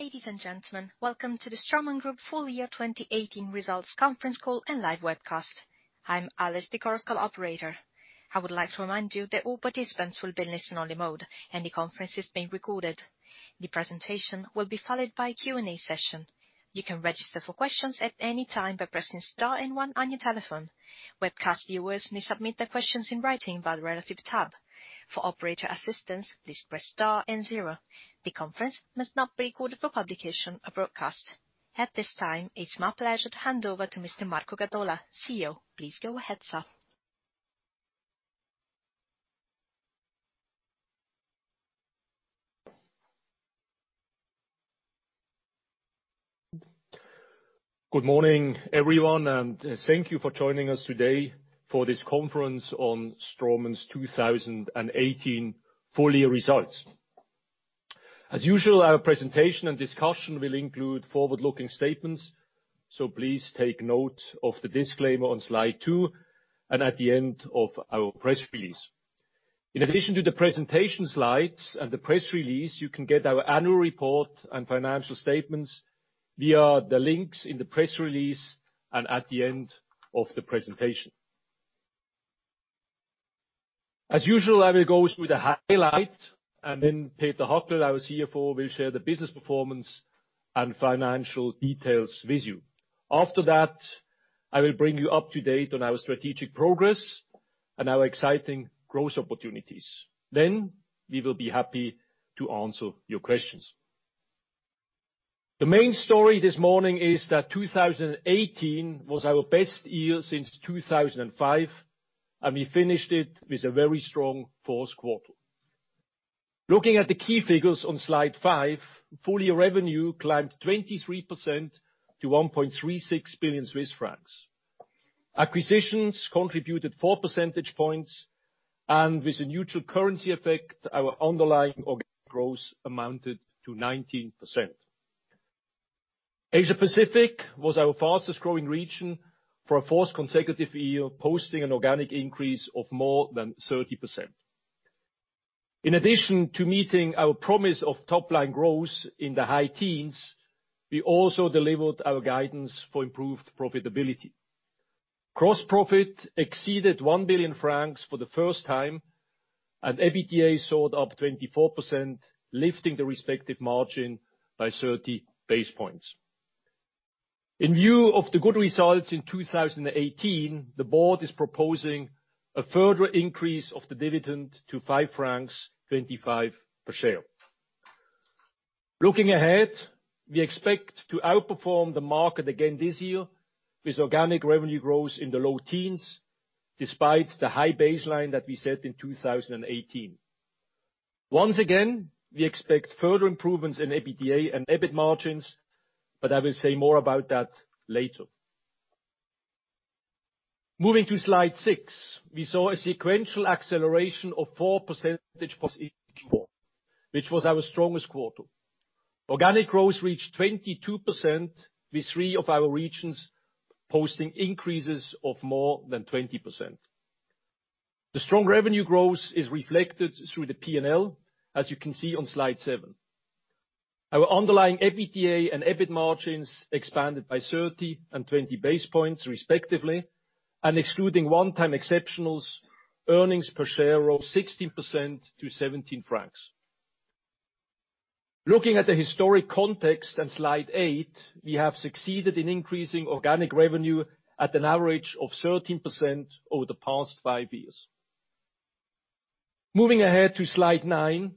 Ladies and gentlemen, welcome to the Straumann Group Full Year 2018 Results Conference Call and live webcast. I'm Alice, the conference call operator. I would like to remind you that all participants will be in listen-only mode, and the conference is being recorded. The presentation will be followed by a Q&A session. You can register for questions at any time by pressing star and one on your telephone. Webcast viewers may submit their questions in writing by the relative tab. For operator assistance, please press star and zero. The conference must not be recorded for publication or broadcast. At this time, it's my pleasure to hand over to Mr. Marco Gadola, CEO. Please go ahead, sir. Good morning, everyone, and thank you for joining us today for this conference on Straumann's 2018 full-year results. As usual, our presentation and discussion will include forward-looking statements. Please take note of the disclaimer on slide two and at the end of our press release. In addition to the presentation slides and the press release, you can get our annual report and financial statements via the links in the press release and at the end of the presentation. As usual, I will go through the highlights and then Peter Hackel, our CFO, will share the business performance and financial details with you. After that, I will bring you up to date on our strategic progress and our exciting growth opportunities. We will be happy to answer your questions. The main story this morning is that 2018 was our best year since 2005, and we finished it with a very strong fourth quarter. Looking at the key figures on slide five, full-year revenue climbed 23% to 1.36 billion Swiss francs. Acquisitions contributed four percentage points, and with a neutral currency effect, our underlying organic growth amounted to 19%. Asia-Pacific was our fastest-growing region for a fourth consecutive year, posting an organic increase of more than 30%. In addition to meeting our promise of top-line growth in the high teens, we also delivered our guidance for improved profitability. Gross profit exceeded 1 billion francs for the first time, and EBITDA soared up 24%, lifting the respective margin by 30 basis points. In view of the good results in 2018, the board is proposing a further increase of the dividend to 5.25 francs per share. Looking ahead, we expect to outperform the market again this year with organic revenue growth in the low teens, despite the high baseline that we set in 2018. Once again, we expect further improvements in EBITDA and EBIT margins, I will say more about that later. Moving to slide six, we saw a sequential acceleration of four percentage points which was our strongest quarter. Organic growth reached 22%, with three of our regions posting increases of more than 20%. The strong revenue growth is reflected through the P&L, as you can see on slide seven. Our underlying EBITDA and EBIT margins expanded by 30 and 20 basis points respectively, and excluding one-time exceptionals, earnings per share rose 16% to 17 francs. Looking at the historic context on slide eight, we have succeeded in increasing organic revenue at an average of 13% over the past five years. Moving ahead to slide nine,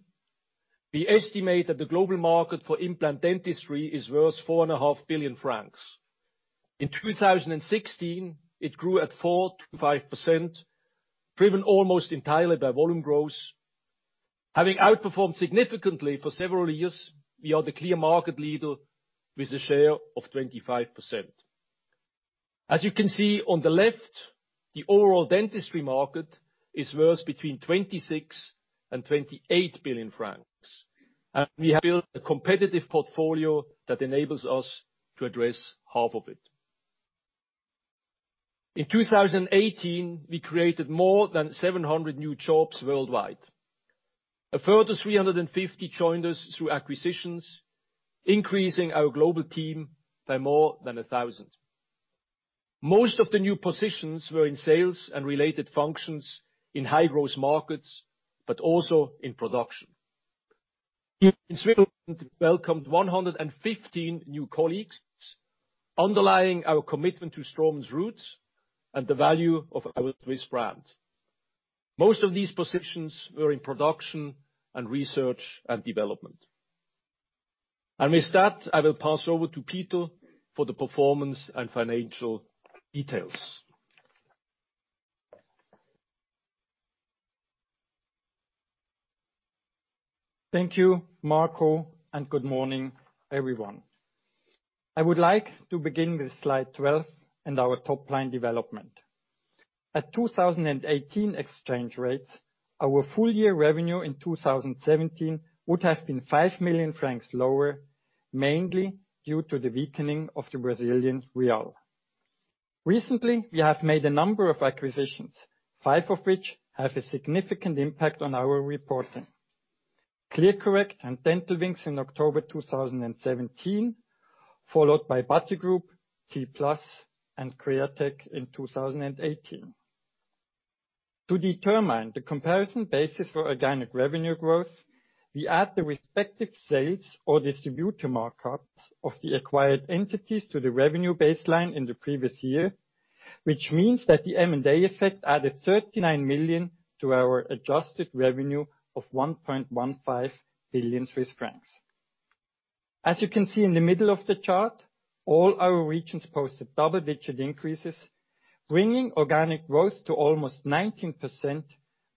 we estimate that the global market for implant dentistry is worth four and a half billion CHF. In 2016, it grew at 4%-5%, driven almost entirely by volume growth. Having outperformed significantly for several years, we are the clear market leader with a share of 25%. As you can see on the left, the overall dentistry market is worth between 26 billion and 28 billion francs, and we have built a competitive portfolio that enables us to address half of it. In 2018, we created more than 700 new jobs worldwide. A further 350 joined us through acquisitions, increasing our global team by more than 1,000. Most of the new positions were in sales and related functions in high-growth markets, but also in production. In Switzerland, we welcomed 115 new colleagues, underlying our commitment to Straumann's roots and the value of our Swiss brand. Most of these positions were in production and research and development. With that, I will pass over to Peter for the performance and financial details. Thank you, Marco, and good morning, everyone. I would like to begin with slide 12 and our top-line development. At 2018 exchange rates, our full-year revenue in 2017 would have been 5 million francs lower, mainly due to the weakening of the Brazilian real. Recently, we have made a number of acquisitions, five of which have a significant impact on our reporting. ClearCorrect and Dental Wings in October 2017, followed by Batigroup, T-Plus, and Createch in 2018. To determine the comparison basis for organic revenue growth, we add the respective sales or distributor markups of the acquired entities to the revenue baseline in the previous year, which means that the M&A effect added 39 million to our adjusted revenue of 1.15 billion Swiss francs. As you can see in the middle of the chart, all our regions posted double-digit increases, bringing organic growth to almost 19%,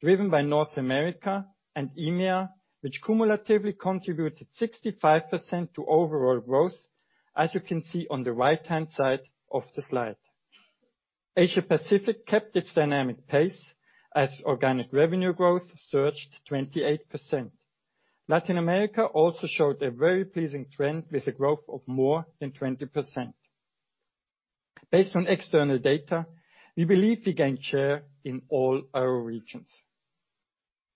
driven by North America and EMEA, which cumulatively contributed 65% to overall growth, as you can see on the right-hand side of the slide. Asia Pacific kept its dynamic pace as organic revenue growth surged 28%. Latin America also showed a very pleasing trend with a growth of more than 20%. Based on external data, we believe we gained share in all our regions.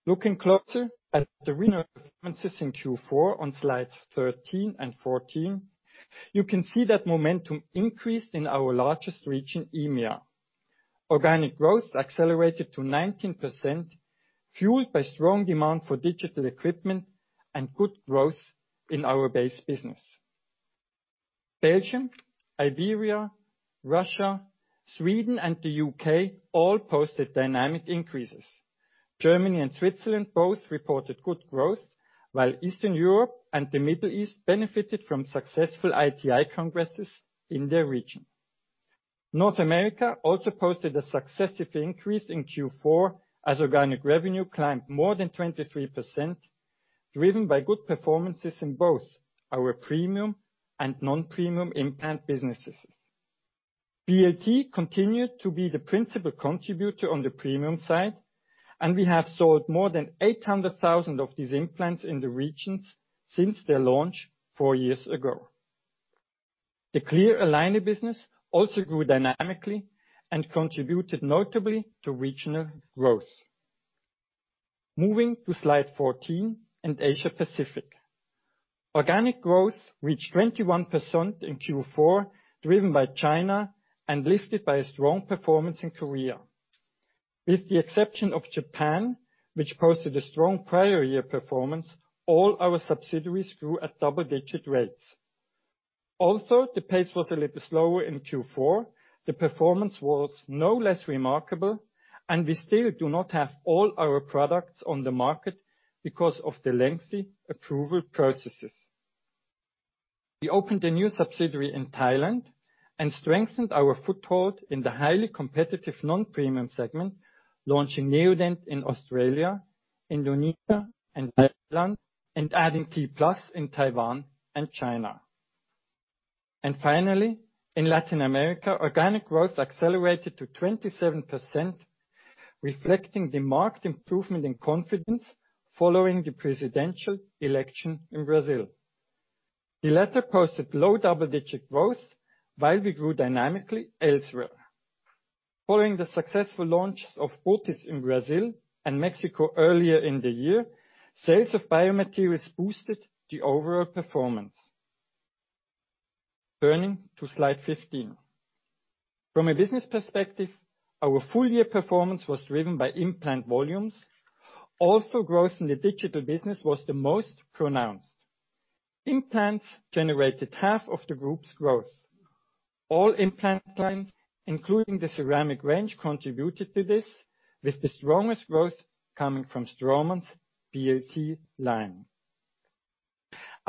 Looking closer at the regional performances in Q4 on slides 13 and 14, you can see that momentum increased in our largest region, EMEA. Organic growth accelerated to 19%, fueled by strong demand for digital equipment and good growth in our base business. Belgium, Iberia, Russia, Sweden, and the U.K. all posted dynamic increases. Germany and Switzerland both reported good growth, while Eastern Europe and the Middle East benefited from successful ITI congresses in their region. North America also posted a successive increase in Q4 as organic revenue climbed more than 23%, driven by good performances in both our premium and non-premium implant businesses. BLT continued to be the principal contributor on the premium side, and we have sold more than 800,000 of these implants in the regions since their launch four years ago. The clear aligner business also grew dynamically and contributed notably to regional growth. Moving to slide 14 in Asia Pacific. Organic growth reached 21% in Q4, driven by China and lifted by a strong performance in Korea. With the exception of Japan, which posted a strong prior year performance, all our subsidiaries grew at double-digit rates. The pace was a little slower in Q4, the performance was no less remarkable, and we still do not have all our products on the market because of the lengthy approval processes. We opened a new subsidiary in Thailand and strengthened our foothold in the highly competitive non-premium segment, launching Neodent in Australia, Indonesia, and Thailand, and adding T-Plus in Taiwan and China. Finally, in Latin America, organic growth accelerated to 27%, reflecting the marked improvement in confidence following the presidential election in Brazil. The latter posted low double-digit growth while we grew dynamically elsewhere. Following the successful launch of botiss in Brazil and Mexico earlier in the year, sales of biomaterials boosted the overall performance. Turning to slide 15. From a business perspective, our full year performance was driven by implant volumes. Growth in the digital business was the most pronounced. Implants generated half of the group's growth. All implant lines, including the ceramic range, contributed to this, with the strongest growth coming from Straumann's BLT line.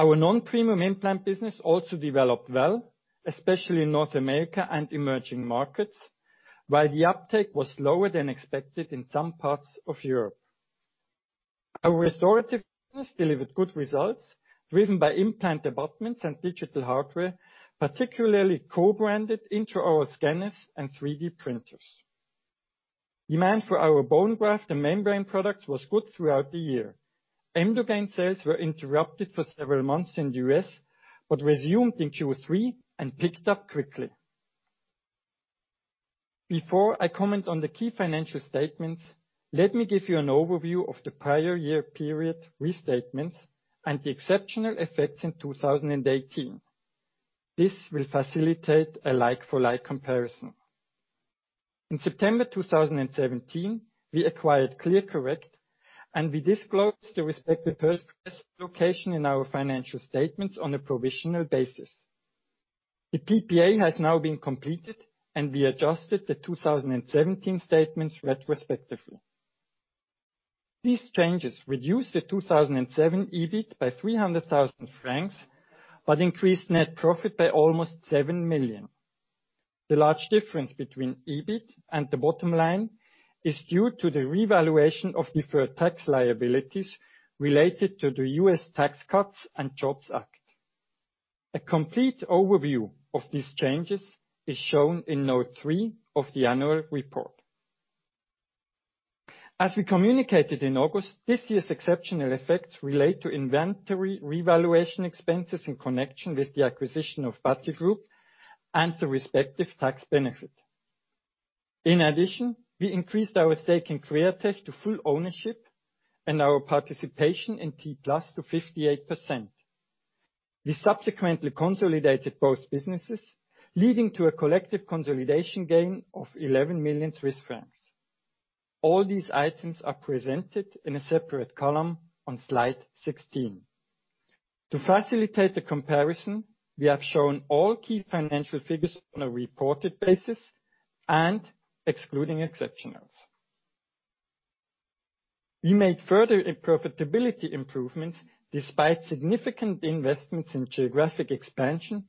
Our non-premium implant business also developed well, especially in North America and emerging markets, while the uptake was lower than expected in some parts of Europe. Our restorative business delivered good results, driven by implant abutments and digital hardware, particularly co-branded into our scanners and 3D printers. Demand for our bone graft and membrane products was good throughout the year. Emdogain sales were interrupted for several months in the U.S., but resumed in Q3 and picked up quickly. Before I comment on the key financial statements, let me give you an overview of the prior year period restatements and the exceptional effects in 2018. This will facilitate a like-for-like comparison. In September 2017, we acquired ClearCorrect, we disclosed the respective purchase allocation in our financial statements on a provisional basis. The PPA has now been completed, we adjusted the 2017 statements retrospectively. These changes reduced the 2017 EBIT by 300,000 francs, but increased net profit by almost 7 million. The large difference between EBIT and the bottom line is due to the revaluation of deferred tax liabilities related to the U.S. Tax Cuts and Jobs Act. A complete overview of these changes is shown in note three of the annual report. As we communicated in August, this year's exceptional effects relate to inventory revaluation expenses in connection with the acquisition of Batigroup and the respective tax benefit. In addition, we increased our stake in Createch to full ownership and our participation in T-Plus to 58%. We subsequently consolidated both businesses, leading to a collective consolidation gain of 11 million Swiss francs. All these items are presented in a separate column on slide 16. To facilitate the comparison, we have shown all key financial figures on a reported basis and excluding exceptionals. We made further profitability improvements despite significant investments in geographic expansion,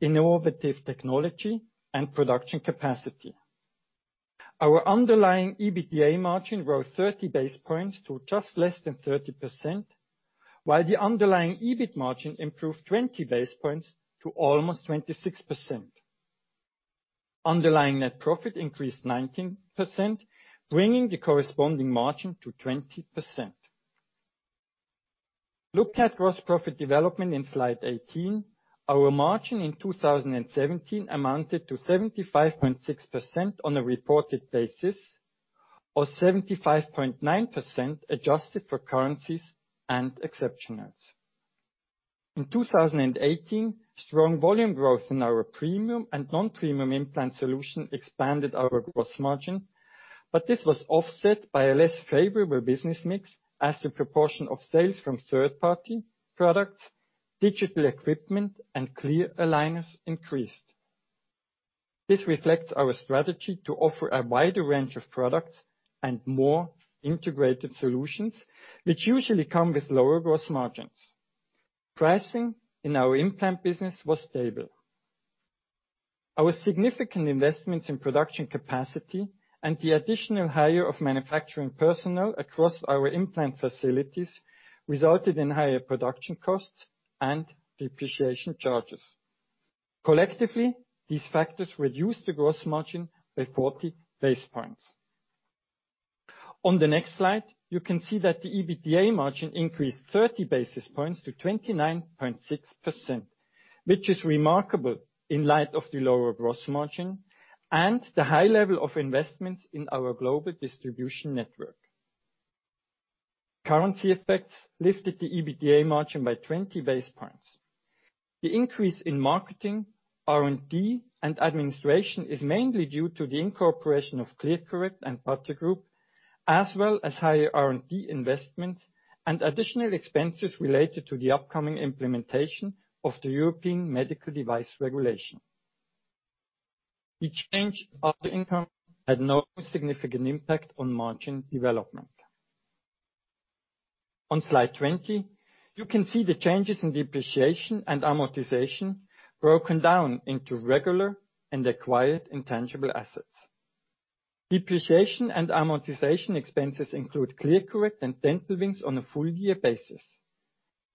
innovative technology and production capacity. Our underlying EBITDA margin rose 30 basis points to just less than 30%, while the underlying EBIT margin improved 20 basis points to almost 26%. Underlying net profit increased 19%, bringing the corresponding margin to 20%. Look at gross profit development in slide 18, our margin in 2017 amounted to 75.6% on a reported basis or 75.9% adjusted for currencies and exceptionals. In 2018, strong volume growth in our premium and non-premium implant solution expanded our gross margin, but this was offset by a less favorable business mix as the proportion of sales from third-party products, digital equipment, and clear aligners increased. This reflects our strategy to offer a wider range of products and more integrated solutions, which usually come with lower gross margins. Pricing in our implant business was stable. Our significant investments in production capacity and the additional hire of manufacturing personnel across our implant facilities resulted in higher production costs and depreciation charges. Collectively, these factors reduced the gross margin by 40 basis points. On the next slide, you can see that the EBITDA margin increased 30 basis points to 29.6%, which is remarkable in light of the lower gross margin and the high level of investments in our global distribution network. Currency effects lifted the EBITDA margin by 20 basis points. The increase in marketing, R&D, and administration is mainly due to the incorporation of ClearCorrect and Batigroup, as well as higher R&D investments and additional expenses related to the upcoming implementation of the European Medical Device Regulation. The change of income had no significant impact on margin development. On slide 20, you can see the changes in depreciation and amortization broken down into regular and acquired intangible assets. Depreciation and amortization expenses include ClearCorrect and Dental Wings on a full year basis.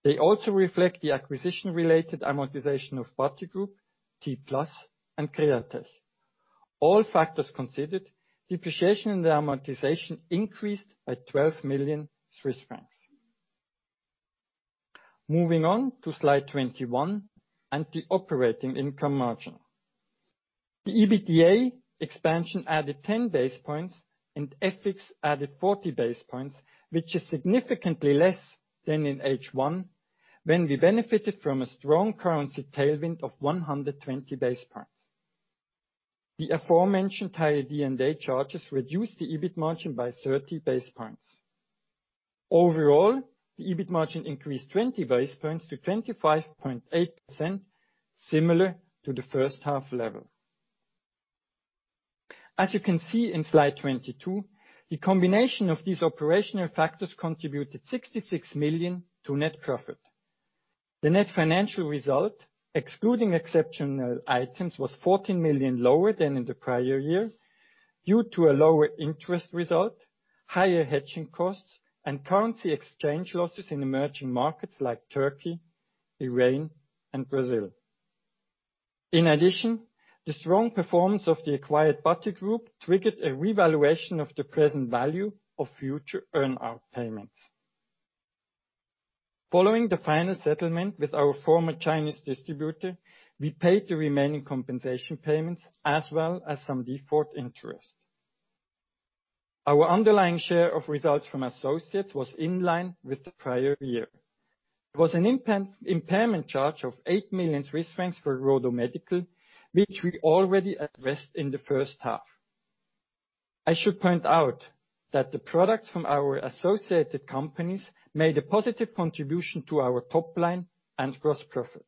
They also reflect the acquisition-related amortization of Batigroup, T-Plus, and Createch. All factors considered, depreciation and amortization increased by CHF 12 million. Moving on to slide 21 and the operating income margin. The EBITDA expansion added 10 basis points and FX added 40 basis points, which is significantly less than in H1, when we benefited from a strong currency tailwind of 120 basis points. The aforementioned higher D&A charges reduced the EBIT margin by 30 basis points. Overall, the EBIT margin increased 20 basis points to 25.8%, similar to the first half level. As you can see in slide 22, the combination of these operational factors contributed 66 million to net profit. The net financial result, excluding exceptional items, was 14 million lower than in the prior year due to a lower interest result, higher hedging costs, and currency exchange losses in emerging markets like Turkey, Iran, and Brazil. In addition, the strong performance of the acquired Batigroup triggered a revaluation of the present value of future earn-out payments. Following the final settlement with our former Chinese distributor, we paid the remaining compensation payments as well as some default interest. Our underlying share of results from associates was in line with the prior year. There was an impairment charge of 8 million Swiss francs for Rodo Medical, which we already addressed in the first half. I should point out that the products from our associated companies made a positive contribution to our top line and gross profit.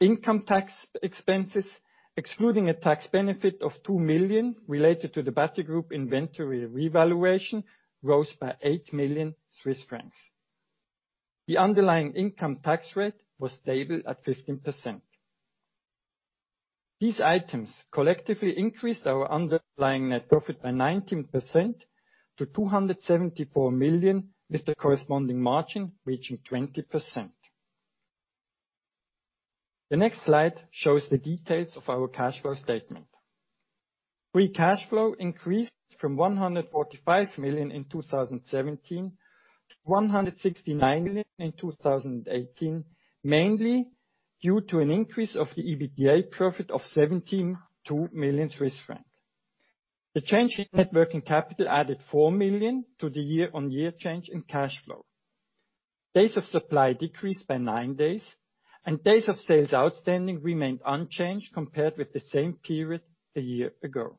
Income tax expenses, excluding a tax benefit of 2 million related to the Batigroup inventory revaluation, rose by 8 million Swiss francs. The underlying income tax rate was stable at 15%. These items collectively increased our underlying net profit by 19% to 274 million, with the corresponding margin reaching 20%. The next slide shows the details of our cash flow statement. Free cash flow increased from 145 million in 2017 to 169 million in 2018, mainly due to an increase of the EBITDA profit of 72 million Swiss francs. The change in net working capital added 4 million to the year-on-year change in cash flow. Days of supply decreased by nine days, and days of sales outstanding remained unchanged compared with the same period a year ago.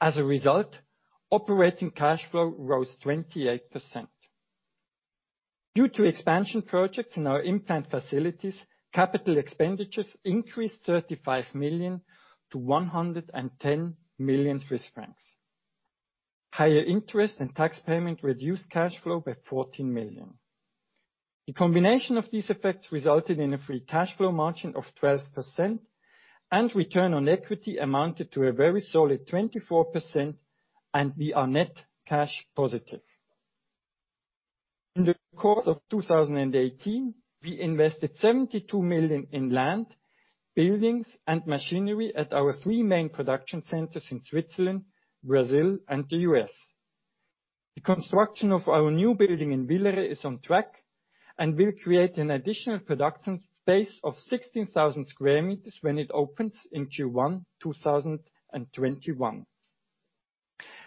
As a result, operating cash flow rose 28%. Due to expansion projects in our implant facilities, capital expenditures increased 35 million to 110 million Swiss francs. Higher interest and tax payment reduced cash flow by 14 million. The combination of these effects resulted in a free cash flow margin of 12%, and return on equity amounted to a very solid 24%, and we are net cash positive. In the course of 2018, we invested 72 million in land, buildings, and machinery at our three main production centers in Switzerland, Brazil, and the U.S. The construction of our new building in Villeret is on track and will create an additional production space of 16,000 sq m when it opens in Q1 2021.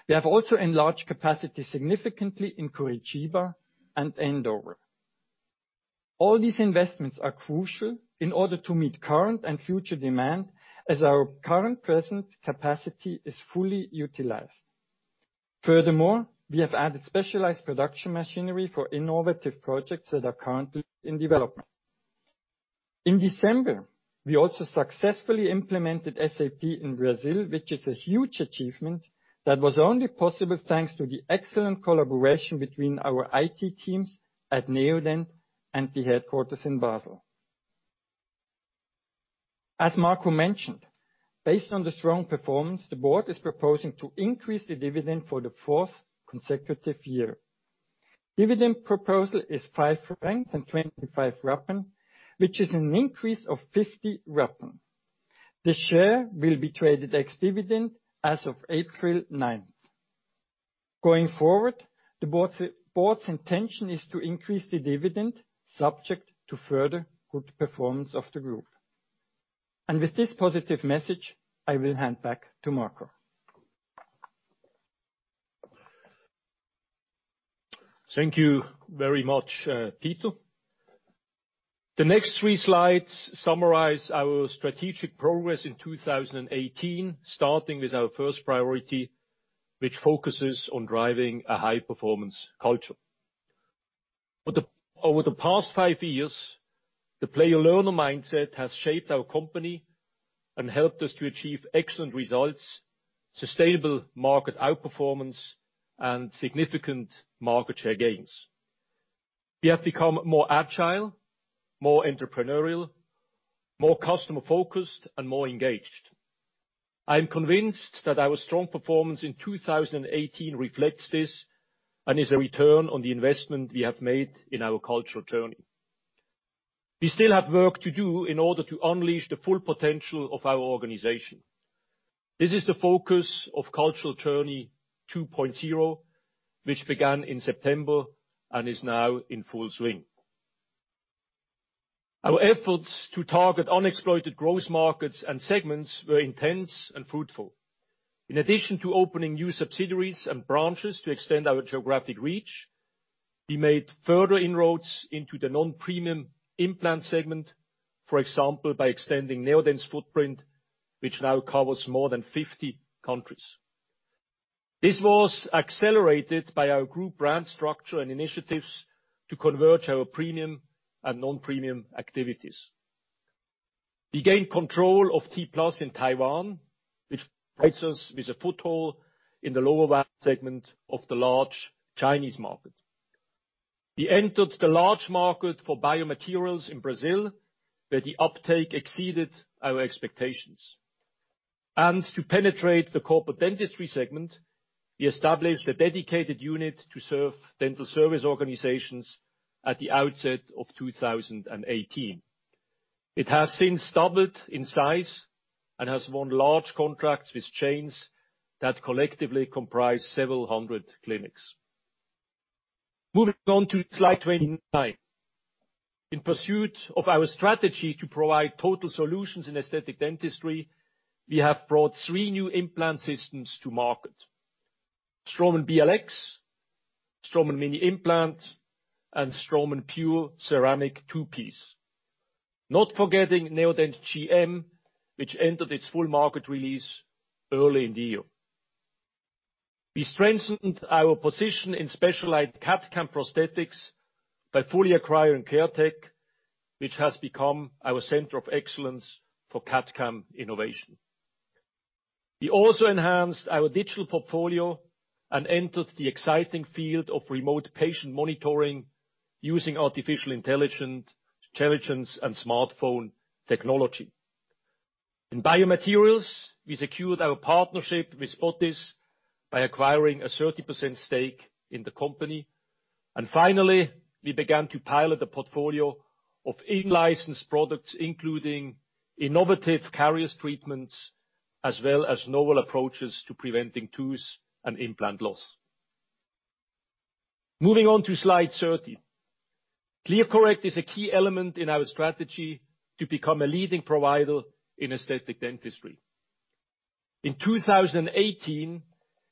We have also enlarged capacity significantly in Curitiba and Andover. All these investments are crucial in order to meet current and future demand, as our current present capacity is fully utilized. Furthermore, we have added specialized production machinery for innovative projects that are currently in development. In December, we also successfully implemented SAP in Brazil, which is a huge achievement that was only possible thanks to the excellent collaboration between our IT teams at Neodent and the headquarters in Basel. As Marco mentioned, based on the strong performance, the board is proposing to increase the dividend for the fourth consecutive year. Dividend proposal is 5.25 francs, which is an increase of 0.50. The share will be traded ex-dividend as of April 9th. Going forward, the board's intention is to increase the dividend subject to further good performance of the group. With this positive message, I will hand back to Marco. Thank you very much, Peter. The next three slides summarize our strategic progress in 2018, starting with our first priority, which focuses on driving a high-performance culture. Over the past five years, the play-to-learn mindset has shaped our company and helped us to achieve excellent results, sustainable market outperformance, and significant market share gains. We have become more agile, more entrepreneurial, more customer-focused, and more engaged. I'm convinced that our strong performance in 2018 reflects this and is a return on the investment we have made in our cultural journey. We still have work to do in order to unleash the full potential of our organization. This is the focus of Cultural Journey 2.0, which began in September and is now in full swing. Our efforts to target unexploited growth markets and segments were intense and fruitful. In addition to opening new subsidiaries and branches to extend our geographic reach, we made further inroads into the non-premium implant segment, for example, by extending Neodent's footprint, which now covers more than 50 countries. This was accelerated by our group brand structure and initiatives to converge our premium and non-premium activities. We gained control of T-Plus in Taiwan, which provides us with a foothold in the lower value segment of the large Chinese market. We entered the large market for biomaterials in Brazil, where the uptake exceeded our expectations. To penetrate the corporate dentistry segment, we established a dedicated unit to serve dental service organizations at the outset of 2018. It has since doubled in size and has won large contracts with chains that collectively comprise several hundred clinics. Moving on to slide 29. In pursuit of our strategy to provide total solutions in aesthetic dentistry, we have brought three new implant systems to market. Straumann BLX, Straumann Mini Implant, and Straumann PURE Ceramic Implant. Not forgetting Neodent GM, which entered its full market release early in the year. We strengthened our position in specialized CAD/CAM prosthetics by fully acquiring Createch, which has become our center of excellence for CAD/CAM innovation. We also enhanced our digital portfolio and entered the exciting field of remote patient monitoring using artificial intelligence and smartphone technology. In biomaterials, we secured our partnership with botiss medical by acquiring a 30% stake in the company. Finally, we began to pilot the portfolio of in-licensed products, including innovative caries treatments, as well as novel approaches to preventing tooth and implant loss. Moving on to slide 30. In 2018,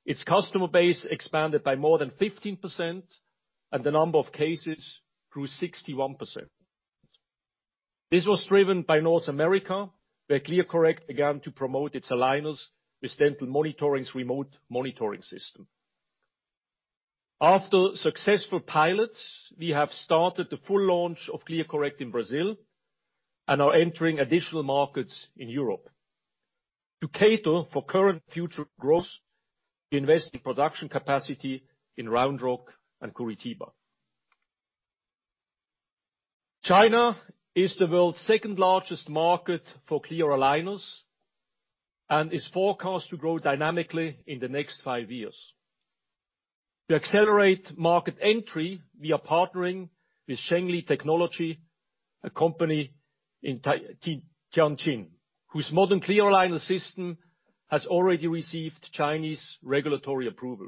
its customer base expanded by more than 15%, and the number of cases grew 61%. This was driven by North America, where ClearCorrect began to promote its aligners with DentalMonitoring's remote monitoring system. After successful pilots, we have started the full launch of ClearCorrect in Brazil and are entering additional markets in Europe. To cater for current future growth, we invest in production capacity in Round Rock and Curitiba. China is the world's second-largest market for clear aligners and is forecast to grow dynamically in the next five years. To accelerate market entry, we are partnering with ZhengLi Technology, a company in Tianjin, whose modern clear aligner system has already received Chinese regulatory approval.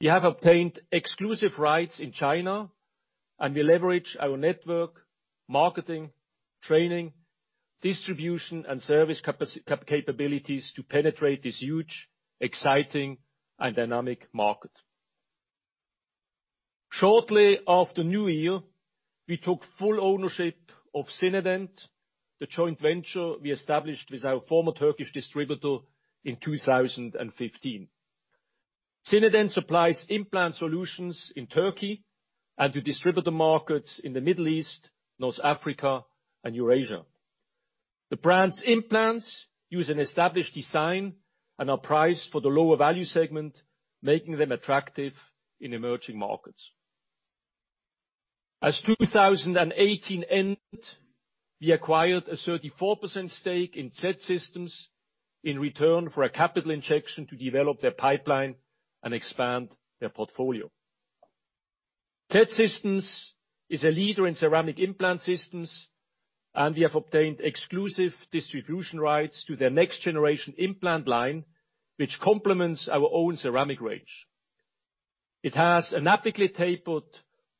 We have obtained exclusive rights in China, we leverage our network, marketing, training, distribution, and service capabilities to penetrate this huge, exciting, and dynamic market. Shortly after New Year, we took full ownership of Zinedent, the joint venture we established with our former Turkish distributor in 2015. Zinedent supplies implant solutions in Turkey and to distributor markets in the Middle East, North Africa, and Eurasia. The brand's implants use an established design and are priced for the lower value segment, making them attractive in emerging markets. As 2018 ended, we acquired a 34% stake in Z-Systems in return for a capital injection to develop their pipeline and expand their portfolio. Z-Systems is a leader in ceramic implant systems, and we have obtained exclusive distribution rights to their next-generation implant line, which complements our own ceramic range. It has an apically tapered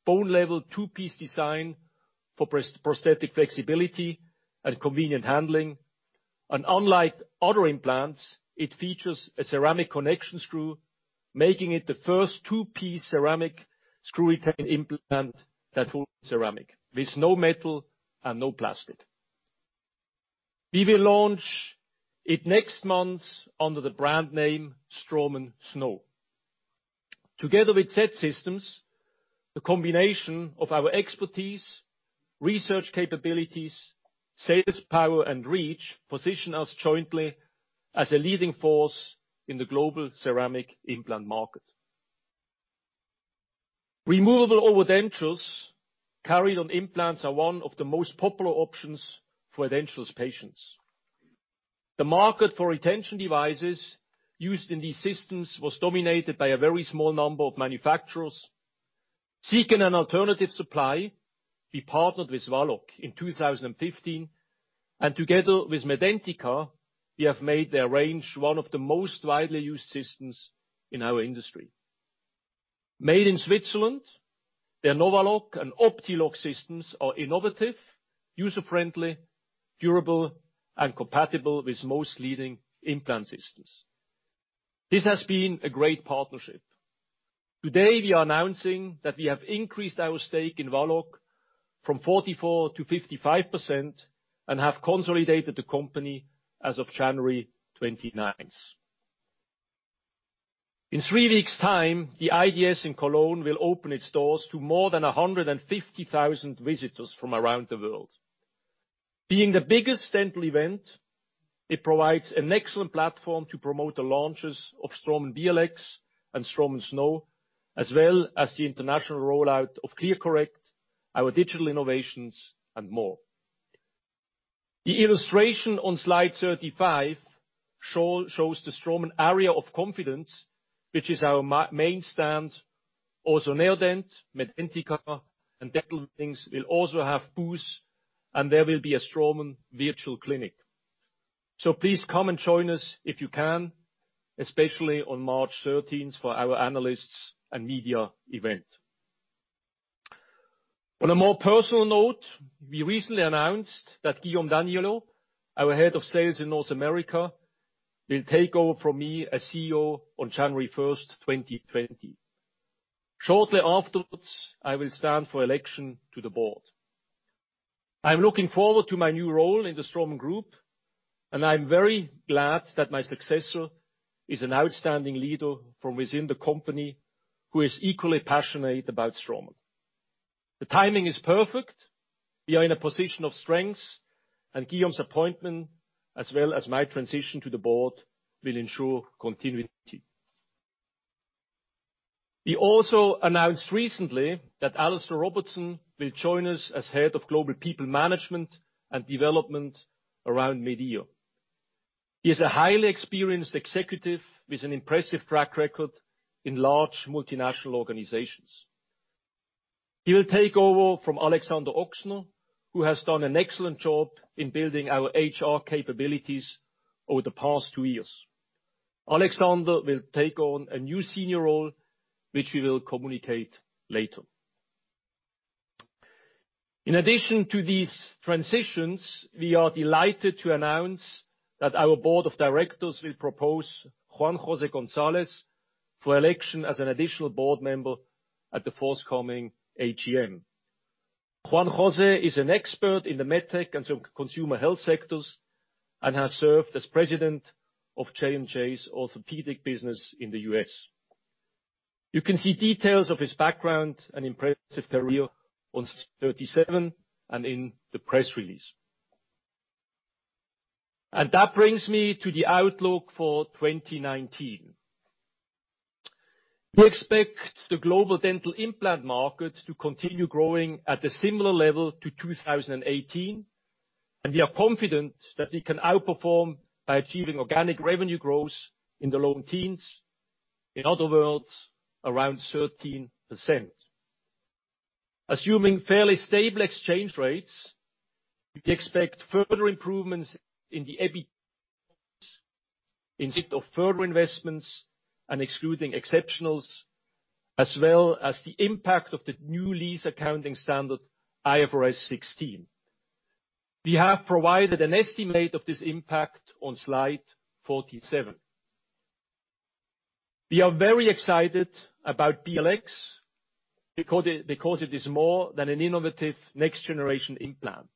bone level two-piece design for prosthetic flexibility and convenient handling. Unlike other implants, it features a ceramic connection screw, making it the first two-piece ceramic screw-retained implant that's full ceramic, with no metal and no plastic. We will launch it next month under the brand name Straumann SNOW. Together with Z-Systems, the combination of our expertise, research capabilities, sales power, and reach position us jointly as a leading force in the global ceramic implant market. Removable overdentures carried on implants are one of the most popular options for edentulous patients. The market for retention devices used in these systems was dominated by a very small number of manufacturers. Seeking an alternative supply, we partnered with Valoc in 2015, and together with Medentika, we have made their range one of the most widely used systems in our industry. Made in Switzerland, their Novaloc and Optiloc systems are innovative, user-friendly, durable, and compatible with most leading implant systems. This has been a great partnership. Today, we are announcing that we have increased our stake in Valoc from 44% to 55% and have consolidated the company as of January 29th. In three weeks' time, the IDS in Cologne will open its doors to more than 150,000 visitors from around the world. Being the biggest dental event, it provides an excellent platform to promote the launches of Straumann BLX and Straumann SNOW, as well as the international rollout of ClearCorrect, our digital innovations, and more. The illustration on slide 35 shows the Straumann area of confidence, which is our main stand. Also, Neodent, Medentika, and Dental Wings will also have booths, and there will be a Straumann virtual clinic. Please come and join us if you can, especially on March 13th for our analysts and media event. On a more personal note, we recently announced that Guillaume Daniellot, our Head of Sales North America, will take over from me as CEO on January 1st, 2020. Shortly afterwards, I will stand for election to the board. I am looking forward to my new role in the Straumann Group, and I am very glad that my successor is an outstanding leader from within the company who is equally passionate about Straumann. The timing is perfect. We are in a position of strength, and Guillaume's appointment, as well as my transition to the board, will ensure continuity. We also announced recently that Alastair Robertson will join us as Head of Global People Management & Development around mid-year. He is a highly experienced executive with an impressive track record in large multinational organizations. He will take over from Alexander Ochsner, who has done an excellent job in building our HR capabilities over the past two years. Alexander will take on a new senior role, which we will communicate later. In addition to these transitions, we are delighted to announce that our board of directors will propose Juan-José Gonzalez for election as an additional board member at the forthcoming AGM. Juan-José is an expert in the med tech and consumer health sectors and has served as president of J&J's orthopedic business in the U.S. You can see details of his background and impressive career on slide 37 and in the press release. That brings me to the outlook for 2019. We expect the global dental implant market to continue growing at a similar level to 2018. We are confident that we can outperform by achieving organic revenue growth in the low teens, in other words, around 13%. Assuming fairly stable exchange rates, we expect further improvements in the EBIT in spite of further investments and excluding exceptionals, as well as the impact of the new lease accounting standard, IFRS 16. We have provided an estimate of this impact on slide 47. We are very excited about BLX because it is more than an innovative next-generation implant.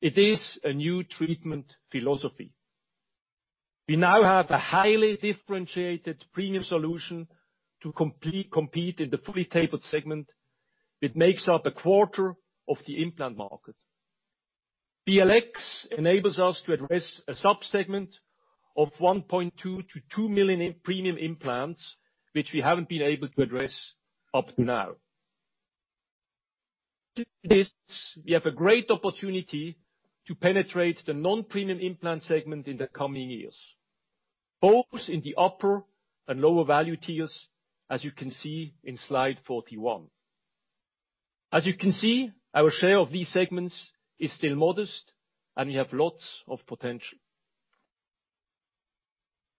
It is a new treatment philosophy. We now have a highly differentiated premium solution to compete in the fully tapered segment, which makes up a quarter of the implant market. BLX enables us to address a sub-segment of 1.2 million to 2 million in premium implants, which we haven't been able to address up to now. Through this, we have a great opportunity to penetrate the non-premium implant segment in the coming years, both in the upper and lower value tiers, as you can see in slide 41. As you can see, our share of these segments is still modest, and we have lots of potential.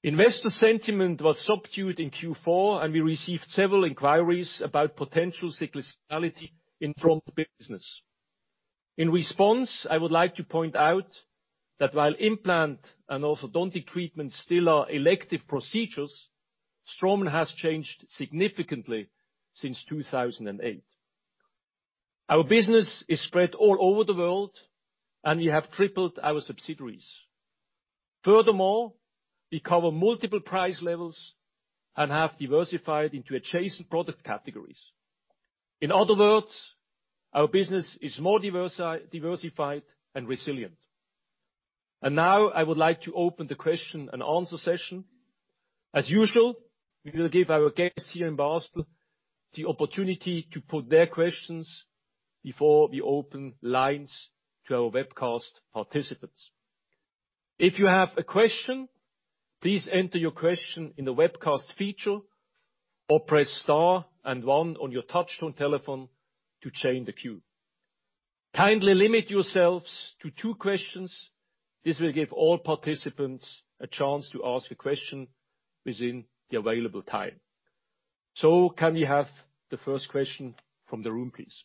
Investor sentiment was subdued in Q4, and we received several inquiries about potential cyclicality in Straumann's business. In response, I would like to point out that while implant and orthodontic treatments still are elective procedures, Straumann has changed significantly since 2008. Our business is spread all over the world, and we have tripled our subsidiaries. Furthermore, we cover multiple price levels and have diversified into adjacent product categories. Our business is more diversified and resilient. Now I would like to open the question and answer session. As usual, we will give our guests here in Basel the opportunity to put their questions before we open lines to our webcast participants. If you have a question, please enter your question in the webcast feature or press star and one on your touch-tone telephone to join the queue. Kindly limit yourselves to two questions. This will give all participants a chance to ask a question within the available time. Can we have the first question from the room, please?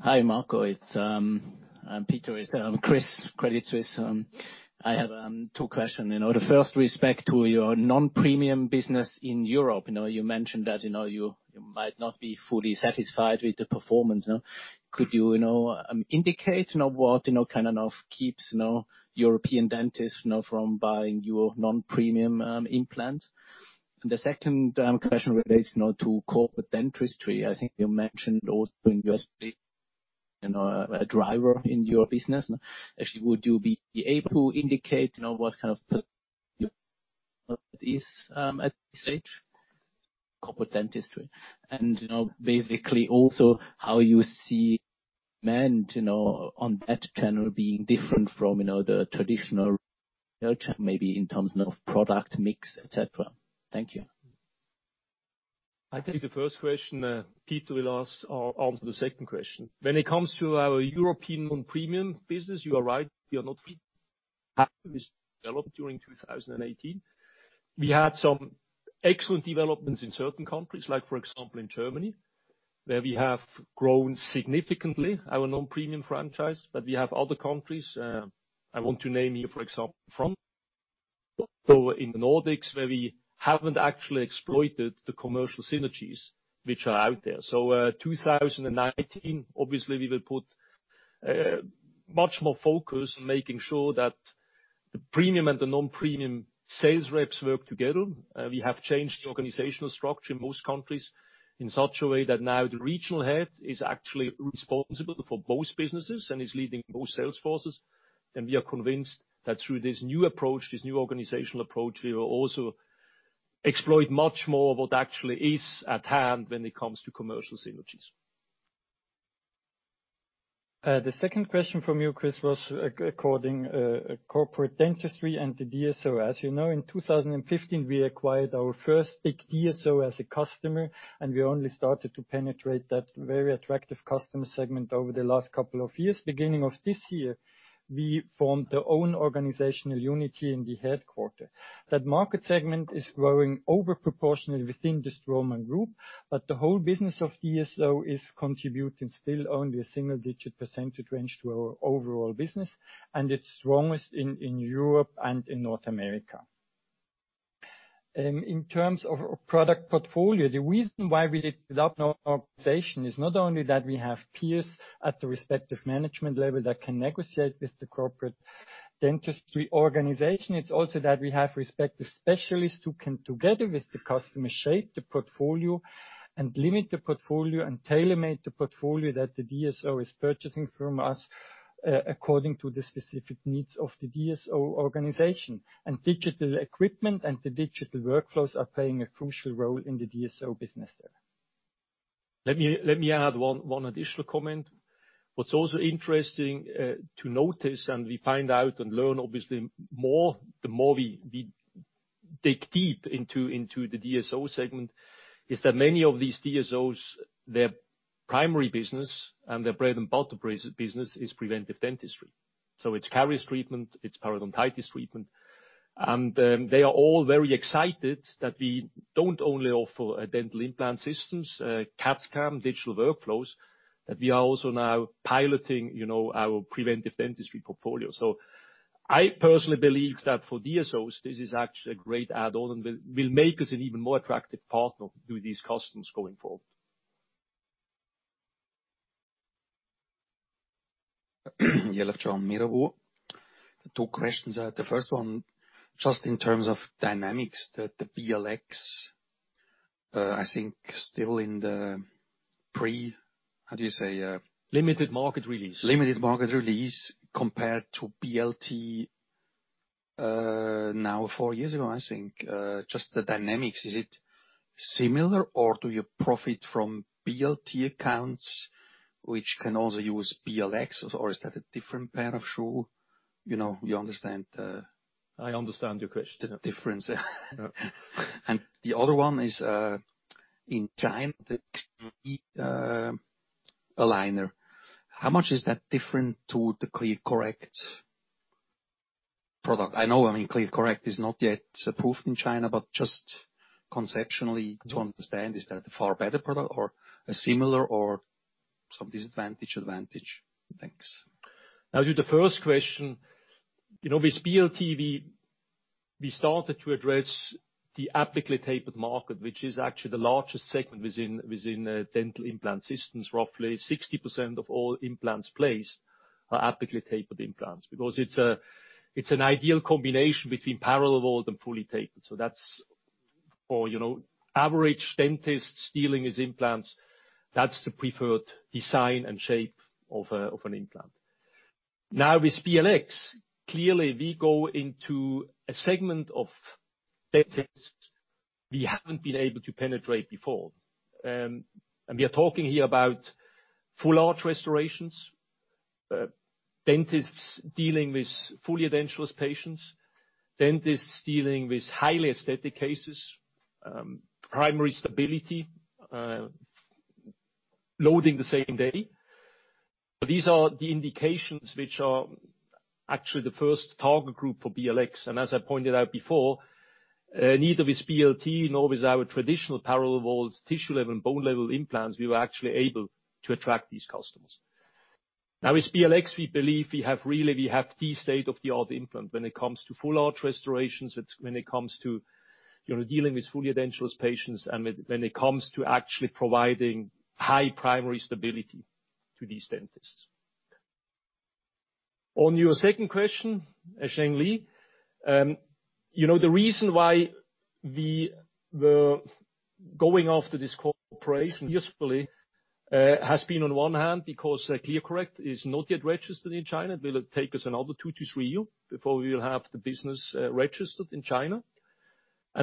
Hi, Marco. It's Peter with Credit Suisse. I have two questions. The first respect to your non-premium business in Europe. You mentioned that you might not be fully satisfied with the performance. Could you indicate what kind of keeps European dentists from buying your non-premium implants? The second question relates now to corporate dentistry. I think you mentioned also in U.S., a driver in your business. Actually, would you be able to indicate what kind of is at this stage, corporate dentistry? Basically, also how you see demand on that channel being different from the traditional maybe in terms of product mix, et cetera. Thank you. I take the first question, Peter will answer the second question. When it comes to our European premium business, you are right, we are not developed during 2018. We had some excellent developments in certain countries, like, for example, in Germany, where we have grown significantly our non-premium franchise. We have other countries, I want to name here, for example, France. Also in the Nordics, where we haven't actually exploited the commercial synergies which are out there. 2019, obviously, we will put much more focus on making sure that the premium and the non-premium sales reps work together. We have changed the organizational structure in most countries in such a way that now the regional head is actually responsible for both businesses and is leading both sales forces. We are convinced that through this new approach, this new organizational approach, we will also exploit much more what actually is at hand when it comes to commercial synergies. The second question from you, Chris, was according corporate dentistry and the DSO. As you know, in 2015, we acquired our first big DSO as a customer, and we only started to penetrate that very attractive customer segment over the last couple of years. Beginning of this year, we formed our own organizational unity in the headquarter. That market segment is growing over-proportionately within the Straumann Group, but the whole business of DSO is contributing still only a single-digit percentage range to our overall business, and it's strongest in Europe and in North America. In terms of product portfolio, the reason why we did without an organization is not only that we have peers at the respective management level that can negotiate with the corporate dentistry organization, it's also that we have respective specialists who can, together with the customer, shape the portfolio and limit the portfolio and tailor-make the portfolio that the DSO is purchasing from us according to the specific needs of the DSO organization. Digital equipment and the digital workflows are playing a crucial role in the DSO business there. Let me add one additional comment. What's also interesting to notice, and we find out and learn obviously more, the more we dig deep into the DSO segment, is that many of these DSOs, their primary business and their bread and butter business is preventive dentistry. It's caries treatment, it's periodontitis treatment. They are all very excited that we don't only offer dental implant systems, CAD/CAM, digital workflows, that we are also now piloting our preventive dentistry portfolio. I personally believe that for DSOs, this is actually a great add-on and will make us an even more attractive partner to these customers going forward. Two questions. The first one, just in terms of dynamics, the BLX, I think still in the How do you say? Limited market release. Limited market release compared to BLT, now 4 years ago, I think. Just the dynamics, is it similar or do you profit from BLT accounts which can also use BLX, or is that a different pair of shoes? You understand the I understand your question the difference there. The other one is, in China, the aligner, how much is that different to the ClearCorrect product? I know, ClearCorrect is not yet approved in China, but just conceptually to understand, is that a far better product or a similar or some disadvantage, advantage? Thanks. Now, to the first question, with BLT, we started to address the abutment tapered market, which is actually the largest segment within dental implant systems. Roughly 60% of all implants placed are abutment tapered implants because it's an ideal combination between parallel wall and fully tapered. For average dentists dealing with implants, that's the preferred design and shape of an implant. Now with BLX, clearly we go into a segment of dentists we haven't been able to penetrate before. We are talking here about full-arch restorations, dentists dealing with fully edentulous patients, dentists dealing with highly aesthetic cases, primary stability, loading the same day. These are the indications which are actually the first target group for BLX. As I pointed out before, neither with BLT nor with our traditional parallel-walled, tissue-level and bone-level implants, we were actually able to attract these customers. With Straumann BLX, we believe we have the state-of-the-art implant when it comes to full-arch restorations, when it comes to dealing with fully edentulous patients and when it comes to actually providing high primary stability to these dentists. On your second question, ZhengLi, the reason why we were going after this cooperation usefully, has been on one hand because ClearCorrect is not yet registered in China. It will take us another 2 to 3 years before we will have the business registered in China.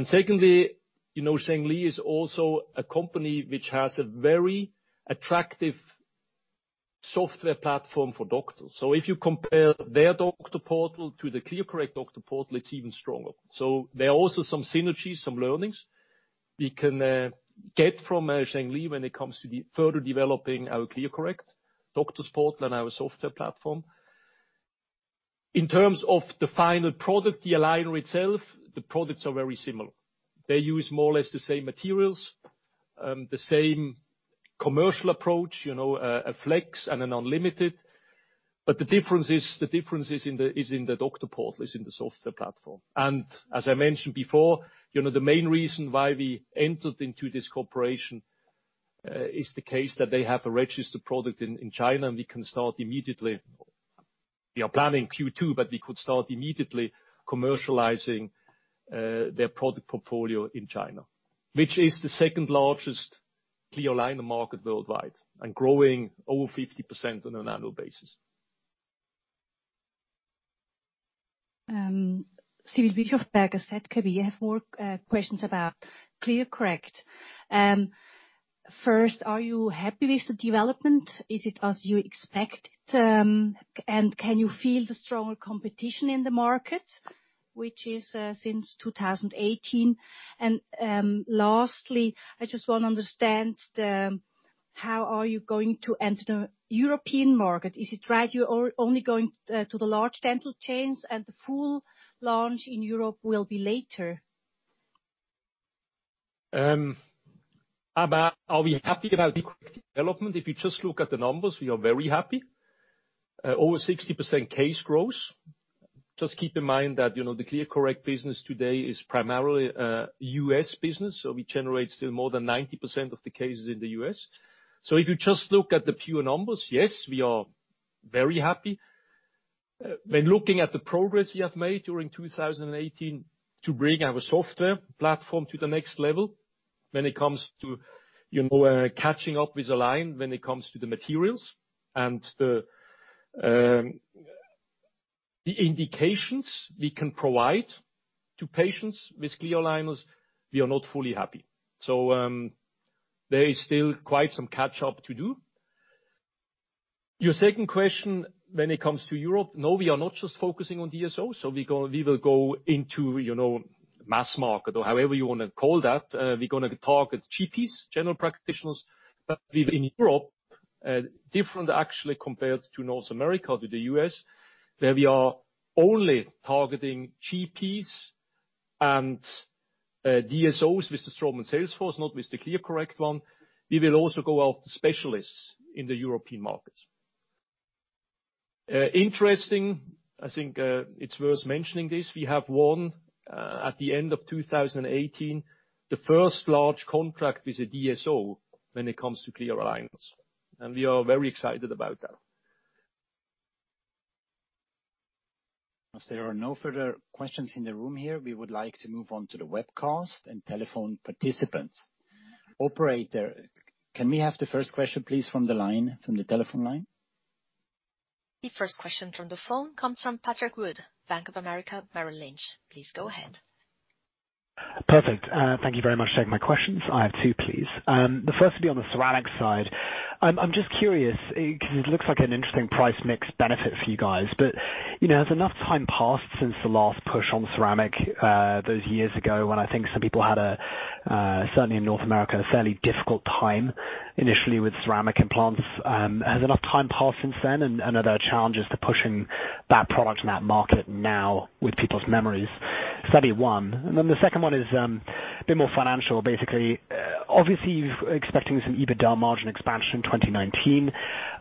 Secondly, ZhengLi is also a company which has a very attractive software platform for doctors. If you compare their doctor portal to the ClearCorrect doctor portal, it's even stronger. There are also some synergies, some learnings we can get from ZhengLi when it comes to further developing our ClearCorrect doctor's portal and our software platform. In terms of the final product, the aligner itself, the products are very similar. They use more or less the same materials, the same commercial approach, a flex and an unlimited. The difference is in the doctor portal, is in the software platform. As I mentioned before, the main reason why we entered into this cooperation is the case that they have a registered product in China, and we can start immediately. We are planning Q2, but we could start immediately commercializing their product portfolio in China, which is the second largest clear aligner market worldwide and growing over 50% on an annual basis. Sibylle Bischofberger, we have more questions about ClearCorrect. First, are you happy with the development? Is it as you expected? Can you feel the stronger competition in the market, which is since 2018? Lastly, I just want to understand how are you going to enter the European market? Is it right, you're only going to the large dental chains and the full launch in Europe will be later? Regarding whether we are happy about the development. If you just look at the numbers, we are very happy. Over 60% case growth. Just keep in mind that, the ClearCorrect business today is primarily U.S. business. We generate still more than 90% of the cases in the U.S. If you just look at the pure numbers, yes, we are very happy. When looking at the progress we have made during 2018 to bring our software platform to the next level when it comes to catching up with Align, when it comes to the materials and the indications we can provide to patients with clear aligners, we are not fully happy. There is still quite some catch-up to do. Your second question when it comes to Europe, no, we are not just focusing on DSOs. We will go into mass market or however you want to call that. We're going to target GPs, general practitioners, we've in Europe, different actually compared to North America, to the U.S., where we are only targeting GPs and DSOs with the Straumann sales force, not with the ClearCorrect one. We will also go after specialists in the European markets. Interesting, I think, it's worth mentioning this, we have won, at the end of 2018, the first large contract with a DSO when it comes to clear aligners, and we are very excited about that. As there are no further questions in the room here, we would like to move on to the webcast and telephone participants. Operator, can we have the first question, please, from the telephone line? The first question from the phone comes from Patrick Wood, Bank of America Merrill Lynch. Please go ahead. Perfect. Thank you very much for taking my questions. I have two, please. The first will be on the ceramics side. I'm just curious because it looks like an interesting price mix benefit for you guys. Has enough time passed since the last push on ceramic, those years ago when I think some people had a, certainly in North America, a fairly difficult time initially with ceramic implants. Has enough time passed since then and are there challenges to pushing that product in that market now with people's memories? That's one. The second one is a bit more financial. Obviously, you're expecting some EBITDA margin expansion in 2019.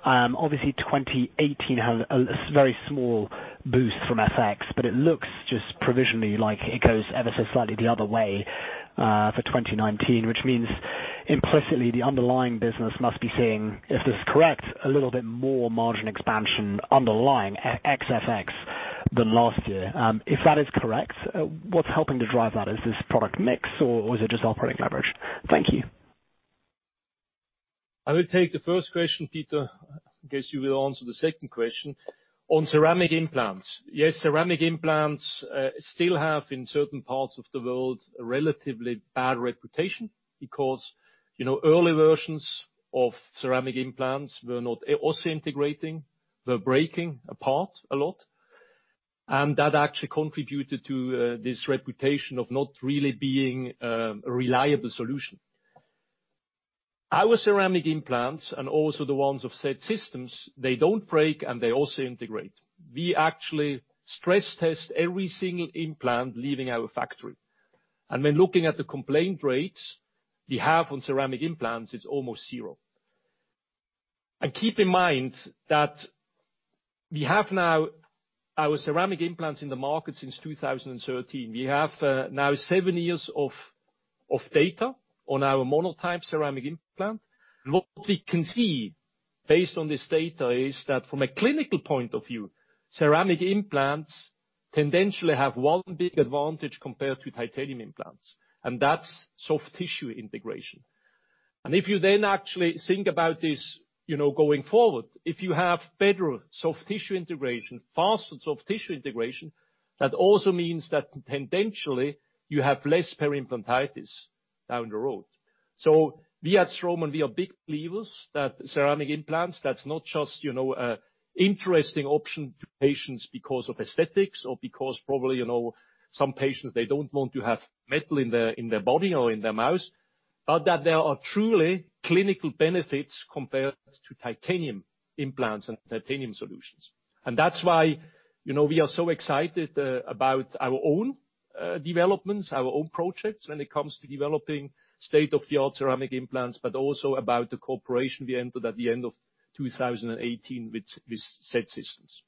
Obviously, 2018 had a very small boost from FX, but it looks just provisionally like it goes ever so slightly the other way, for 2019, which means implicitly the underlying business must be seeing, if this is correct, a little bit more margin expansion underlying ex FX than last year. If that is correct, what is helping to drive that? Is this product mix or is it just operating leverage? Thank you. I will take the first question, Peter. In case you will answer the second question. On ceramic implants. Yes, ceramic implants still have, in certain parts of the world, a relatively bad reputation because early versions of ceramic implants were not osseointegrating, were breaking apart a lot. That actually contributed to this reputation of not really being a reliable solution. Our ceramic implants and also the ones of Z-Systems, they do not break and they osseointegrate. We actually stress test every single implant leaving our factory. When looking at the complaint rates we have on ceramic implants, it is almost zero. Keep in mind that we have now our ceramic implants in the market since 2013. We have now seven years of data on our monotype ceramic implant. What we can see based on this data is that from a clinical point of view, ceramic implants tendentially have one big advantage compared to titanium implants, and that is soft tissue integration. If you then actually think about this going forward, if you have better soft tissue integration, faster soft tissue integration, that also means that tendentially you have less peri-implantitis down the road. So we at Straumann, we are big believers that ceramic implants, that is not just an interesting option to patients because of aesthetics or because probably, some patients, they do not want to have metal in their body or in their mouth. But that there are truly clinical benefits compared to titanium implants and titanium solutions. That is why we are so excited about our own developments, our own projects when it comes to developing state-of-the-art ceramic implants, but also about the cooperation we entered at the end of 2018 with Z-Systems.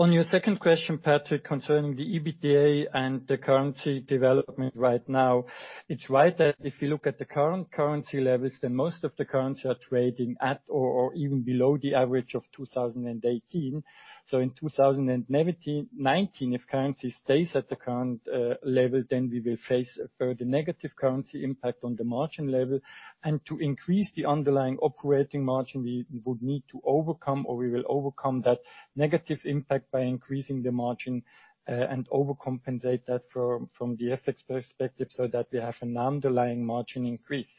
On your second question, Patrick, concerning the EBITDA and the currency development right now. It's right that if you look at the current currency levels, most of the currencies are trading at or even below the average of 2018. In 2019, if currency stays at the current level, we will face a further negative currency impact on the margin level. To increase the underlying operating margin, we would need to overcome, or we will overcome that negative impact by increasing the margin, overcompensate that from the effects perspective, that we have an underlying margin increase.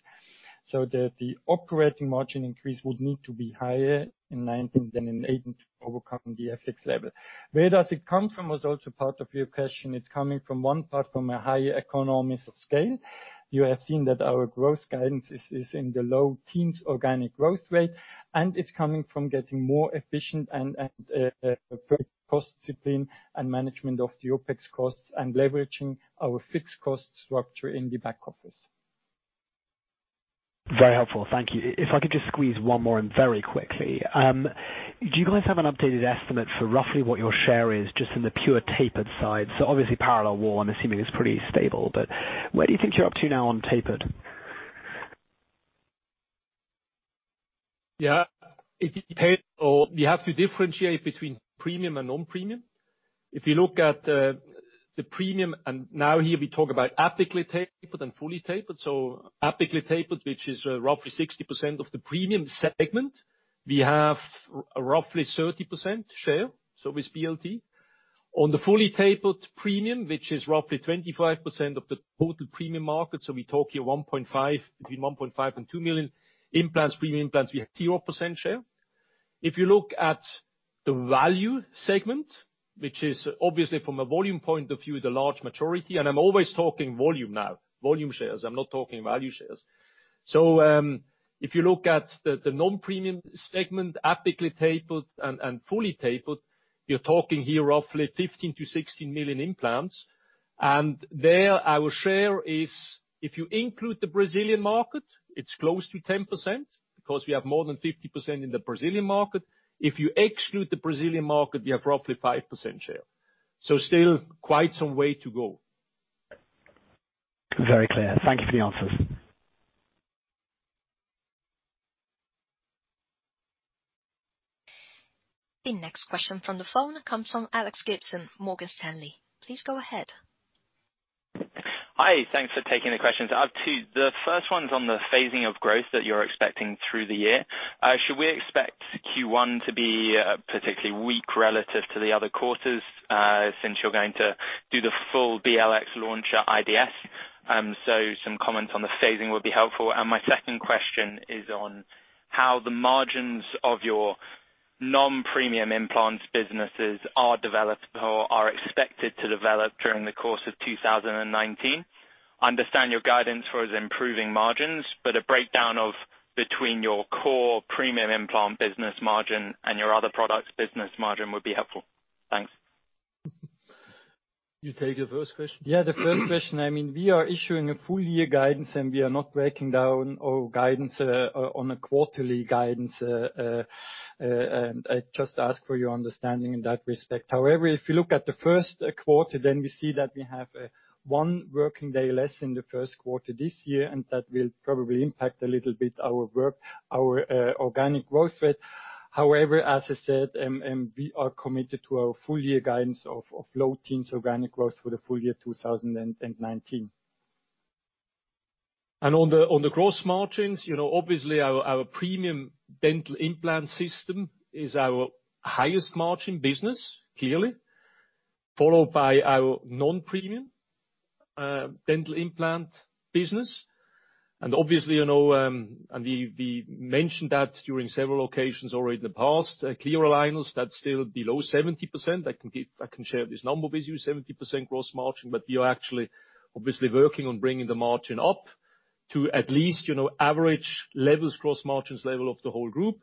The operating margin increase would need to be higher in 2019 than in 2018 to overcome the FX level. Where does it come from, was also part of your question. It's coming from one part, from a higher economies of scale. You have seen that our growth guidance is in the low teens organic growth rate, it's coming from getting more efficient, very cost discipline and management of the OpEx costs, leveraging our fixed cost structure in the back office. Very helpful. Thank you. If I could just squeeze one more in very quickly. Do you guys have an updated estimate for roughly what your share is just in the pure tapered side? Obviously parallel wall, I'm assuming is pretty stable, but where do you think you're up to now on tapered? You have to differentiate between premium and non-premium. If you look at the premium, now here we talk about apically tapered and fully tapered. Apically tapered, which is roughly 60% of the premium segment, we have roughly 30% share. With BLT. On the fully tapered premium, which is roughly 25% of the total premium market, we talk here between 1.5 million and 2 million premium implants, we have 0% share. If you look at the value segment, which is obviously from a volume point of view, the large majority, I'm always talking volume now, volume shares, I'm not talking value shares. If you look at the non-premium segment, apically tapered and fully tapered, you're talking here roughly 15 million to 16 million implants. There, our share is, if you include the Brazilian market, it's close to 10%, because we have more than 50% in the Brazilian market. If you exclude the Brazilian market, we have roughly 5% share. Still quite some way to go. Very clear. Thank you for the answers. The next question from the phone comes from Alex Gibson, Morgan Stanley. Please go ahead. Hi. Thanks for taking the questions. I have two. The first one's on the phasing of growth that you're expecting through the year. Should we expect Q1 to be particularly weak relative to the other quarters, since you're going to do the full BLX launch at IDS? Some comments on the phasing would be helpful. My second question is on how the margins of your non-premium implant businesses are developed or are expected to develop during the course of 2019. I understand your guidance for improving margins, but a breakdown between your core premium implant business margin and your other products business margin would be helpful. Thanks. You take the first question? The first question, we are issuing a full year guidance, and we are not breaking down our guidance on a quarterly guidance. I just ask for your understanding in that respect. However, if you look at the first quarter, we see that we have one working day less in the first quarter this year, and that will probably impact a little bit our organic growth rate. However, as I said, we are committed to our full year guidance of low teens organic growth for the full year 2019. On the gross margins, obviously our premium dental implant system is our highest margin business, clearly. Followed by our non-premium dental implant business. Obviously, we mentioned that during several occasions already in the past, clear aligners, that's still below 70%. I can share this number with you, 70% gross margin. We are actually obviously working on bringing the margin up to at least average levels, gross margins level of the whole group.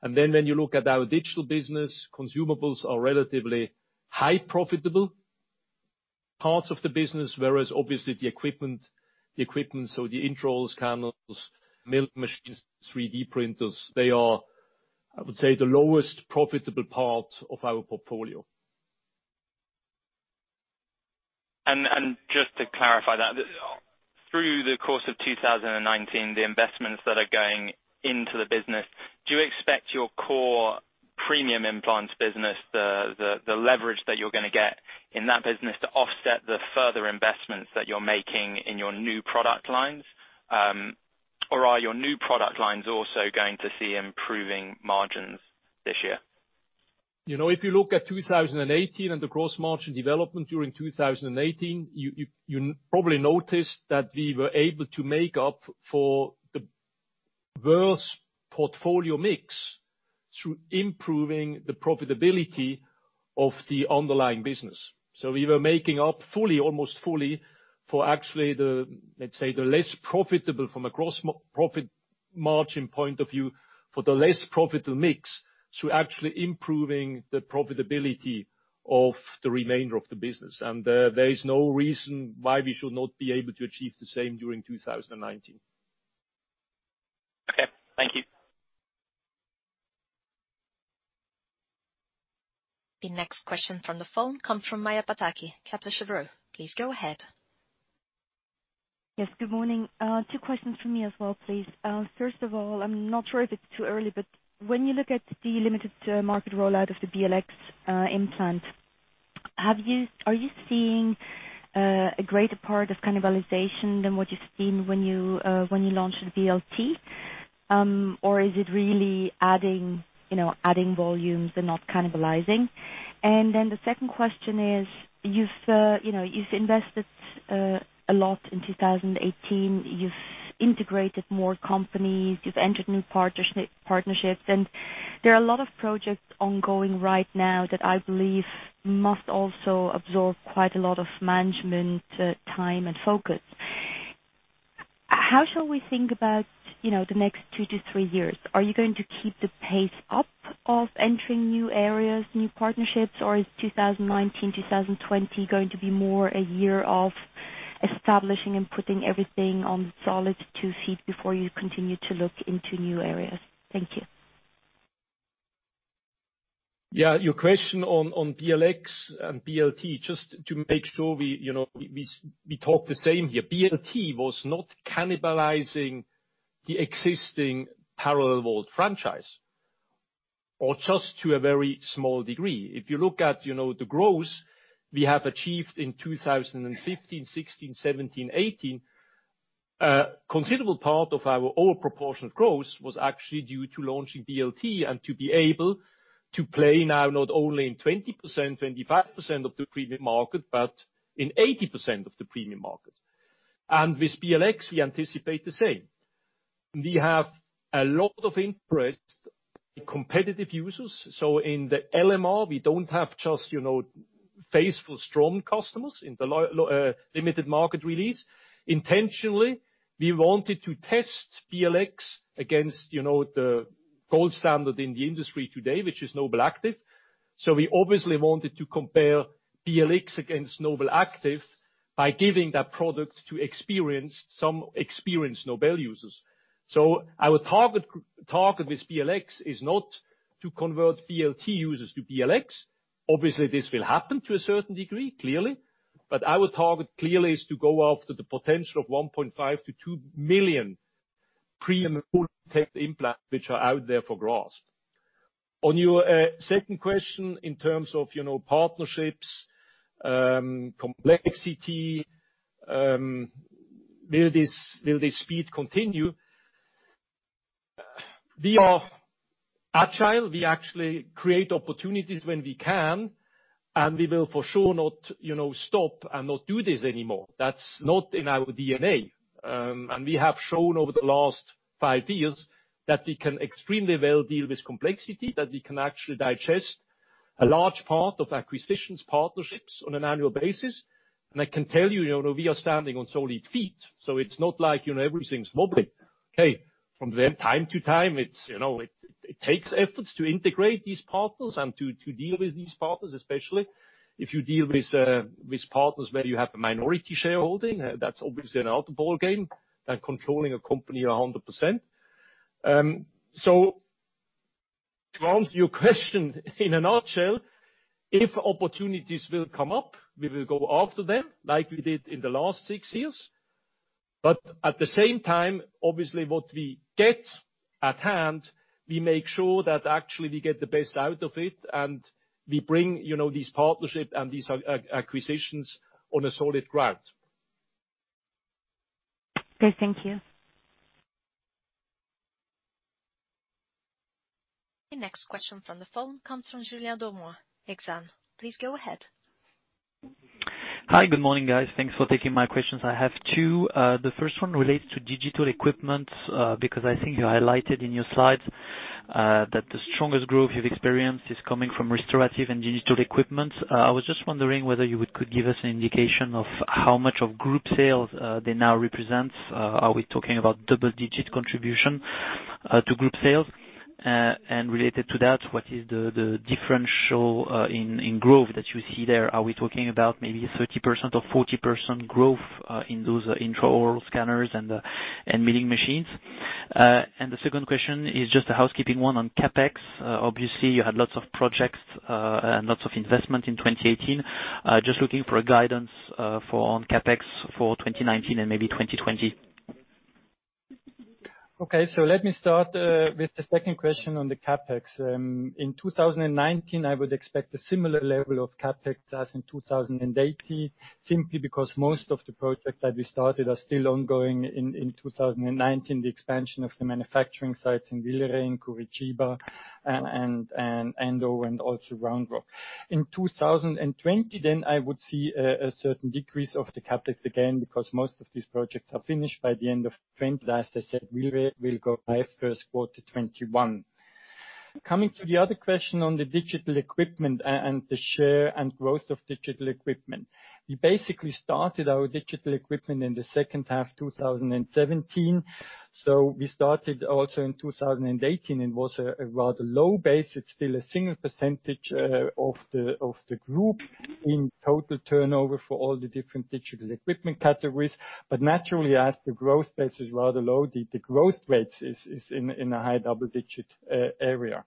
When you look at our digital business, consumables are relatively high profitable parts of the business. Whereas obviously the equipment, so the intraorals, scanners, mill machines, 3D printers, they are, I would say, the lowest profitable part of our portfolio. Just to clarify that, through the course of 2019, the investments that are going into the business, do you expect your core premium implants business, the leverage that you're going to get in that business to offset the further investments that you're making in your new product lines? Or are your new product lines also going to see improving margins this year? If you look at 2018 and the gross margin development during 2018, you probably noticed that we were able to make up for the worse portfolio mix through improving the profitability of the underlying business. We were making up almost fully for actually the, let's say, the less profitable from a gross profit margin point of view, for the less profitable mix to actually improving the profitability of the remainder of the business. There is no reason why we should not be able to achieve the same during 2019. Okay. Thank you. The next question from the phone comes from Maja Pataki, Kepler Cheuvreux. Please go ahead. Yes, good morning. Two questions from me as well, please. First of all, I'm not sure if it's too early, but when you look at the limited market rollout of the Straumann BLX implant, are you seeing a greater part of cannibalization than what you've seen when you launched the Straumann BLT? Or is it really adding volumes and not cannibalizing? The second question is, you've invested a lot in 2018. You've integrated more companies, you've entered new partnerships, there are a lot of projects ongoing right now that I believe must also absorb quite a lot of management time and focus. How shall we think about the next two to three years? Are you going to keep the pace up of entering new areas, new partnerships, or is 2019, 2020 going to be more a year of establishing and putting everything on solid two feet before you continue to look into new areas? Thank you. Yeah, your question on Straumann BLX and Straumann BLT, just to make sure we talk the same here. Straumann BLT was not cannibalizing the existing parallel-walled franchise, or just to a very small degree. If you look at the growth we have achieved in 2015, 2016, 2017, 2018, a considerable part of our overall proportion of growth was actually due to launching Straumann BLT and to be able to play now not only in 20%-25% of the premium market, but in 80% of the premium market. With Straumann BLX, we anticipate the same. We have a lot of interest in competitive users. In the LMR, we don't have just faithful strong customers in the limited market release. Intentionally, we wanted to test Straumann BLX against the gold standard in the industry today, which is NobelActive. We obviously wanted to compare Straumann BLX against NobelActive by giving that product to some experienced Nobel users. Our target with Straumann BLX is not to convert Straumann BLT users to Straumann BLX. Obviously, this will happen to a certain degree, clearly. Our target clearly is to go after the potential of 1.5 million-2 million premium implant, which are out there for growth. On your second question, in terms of partnerships, complexity, will this speed continue? We are agile. We actually create opportunities when we can, we will for sure not stop and not do this anymore. That's not in our DNA. We have shown over the last five years that we can extremely well deal with complexity, that we can actually digest a large part of acquisitions, partnerships on an annual basis. I can tell you, we are standing on solid feet, it's not like everything's mobile. From time to time, it takes efforts to integrate these partners and to deal with these partners, especially if you deal with partners where you have a minority shareholding. That's obviously not a ballgame than controlling a company 100%. To answer your question in a nutshell, if opportunities will come up, we will go after them like we did in the last six years. At the same time, obviously, what we get at hand, we make sure that actually we get the best out of it and we bring these partnerships and these acquisitions on a solid ground. Thank you. The next question from the phone comes from Julien Dormois, Exane. Please go ahead. Hi. Good morning, guys. Thanks for taking my questions. I have two. The first one relates to digital equipment, I think you highlighted in your slides that the strongest growth you've experienced is coming from restorative and digital equipment. I was just wondering whether you could give us an indication of how much of group sales they now represent. Are we talking about double-digit contribution to group sales? Related to that, what is the differential in growth that you see there? Are we talking about maybe 30% or 40% growth in those intraoral scanners and milling machines? The second question is just a housekeeping one on CapEx. Obviously, you had lots of projects and lots of investment in 2018. Just looking for a guidance on CapEx for 2019 and maybe 2020. Let me start with the second question on the CapEx. In 2019, I would expect a similar level of CapEx as in 2018, simply because most of the projects that we started are still ongoing in 2019. The expansion of the manufacturing sites in Villeret, Curitiba, and Andover, and also Round Rock. In 2020, I would see a certain decrease of the CapEx again, because most of these projects are finished by the end of 2020. As I said, Villeret will go live first quarter 2021. Coming to the other question on the digital equipment and the share and growth of digital equipment. We basically started our digital equipment in the second half of 2017. We started also in 2018 and was a rather low base. It's still a single percentage of the group in total turnover for all the different digital equipment categories. Naturally, as the growth base is rather low, the growth rate is in a high double-digit area.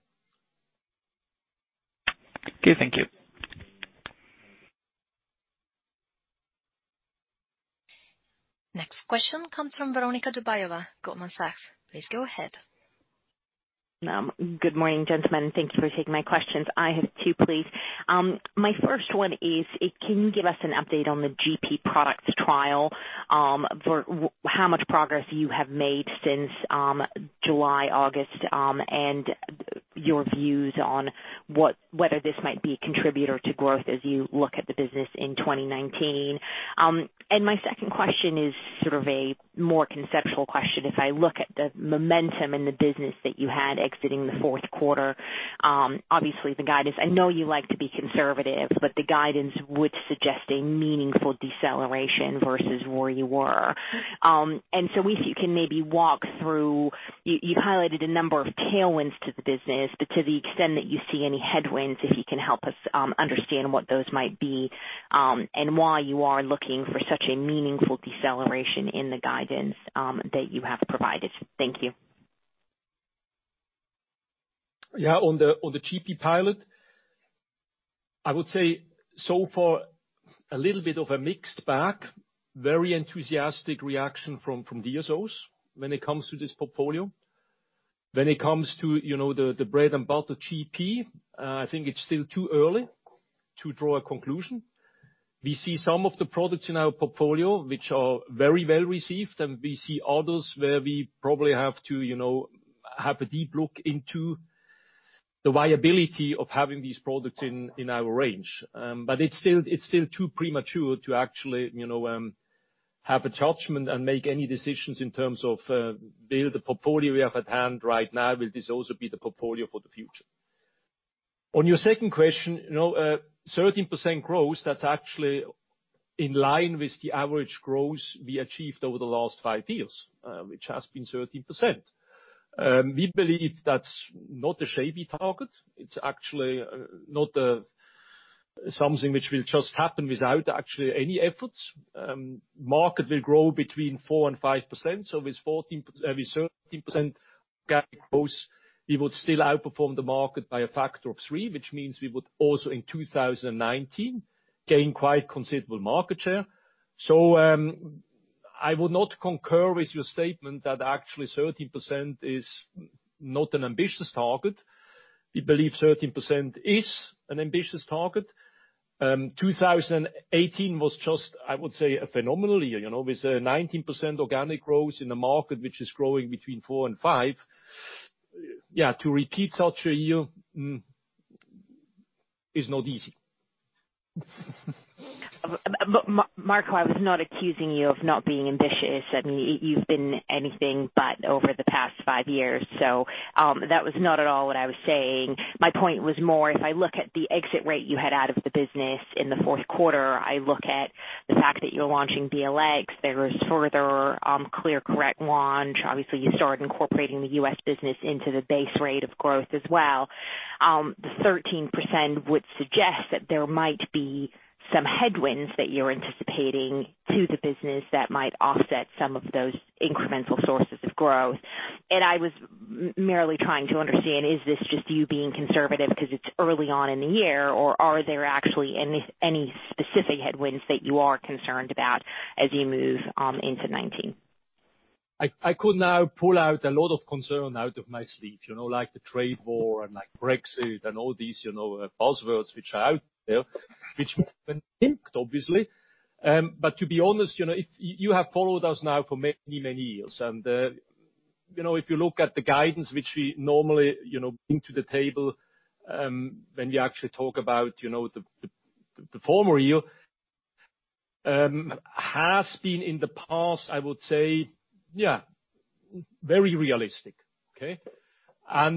Okay. Thank you. Next question comes from Veronika Dubajova, Goldman Sachs. Please go ahead. Good morning, gentlemen. Thank you for taking my questions. I have two, please. My first one is, can you give us an update on the GP products trial? How much progress you have made since July, August, and your views on whether this might be a contributor to growth as you look at the business in 2019. My second question is sort of a more conceptual question. If I look at the momentum in the business that you had exiting the fourth quarter, obviously the guidance, I know you like to be conservative, but the guidance would suggest a meaningful deceleration versus where you were. If you can maybe walk through, you've highlighted a number of tailwinds to the business, but to the extent that you see any headwinds, if you can help us understand what those might be, and why you are looking for such a meaningful deceleration in the guidance that you have provided. Thank you. On the GP pilot, I would say so far, a little bit of a mixed bag. Very enthusiastic reaction from DSOs when it comes to this portfolio. When it comes to the bread and butter GP, I think it's still too early to draw a conclusion. We see some of the products in our portfolio which are very well-received, and we see others where we probably have to have a deep look into the viability of having these products in our range. It's still too premature to actually have a judgment and make any decisions in terms of the portfolio we have at hand right now, will this also be the portfolio for the future. On your second question, 13% growth, that's actually in line with the average growth we achieved over the last five years, which has been 13%. We believe that's not a shabby target. It's actually not something which will just happen without actually any efforts. Market will grow between 4% and 5%. With 13% growth, we would still outperform the market by a factor of three, which means we would also in 2019 gain quite considerable market share. I would not concur with your statement that actually 13% is not an ambitious target. We believe 13% is an ambitious target. 2018 was just, I would say, a phenomenal year. With a 19% organic growth in the market, which is growing between 4% and 5%. To repeat such a year is not easy. Marco, I was not accusing you of not being ambitious. You've been anything but over the past five years. That was not at all what I was saying. My point was more, if I look at the exit rate you had out of the business in the fourth quarter, I look at the fact that you're launching BLX. There was further ClearCorrect launch. Obviously, you start incorporating the U.S. business into the base rate of growth as well. The 13% would suggest that there might be some headwinds that you're anticipating to the business that might offset some of those incremental sources of growth. I was merely trying to understand, is this just you being conservative because it's early on in the year, or are there actually any specific headwinds that you are concerned about as you move into 2019? I could now pull out a lot of concern out of my sleeve, like the trade war and like Brexit and all these buzzwords which are out there, which would have an impact, obviously. To be honest, you have followed us now for many, many years. If you look at the guidance, which we normally bring to the table, when we actually talk about the former year, has been in the past, I would say, yeah, very realistic. Okay?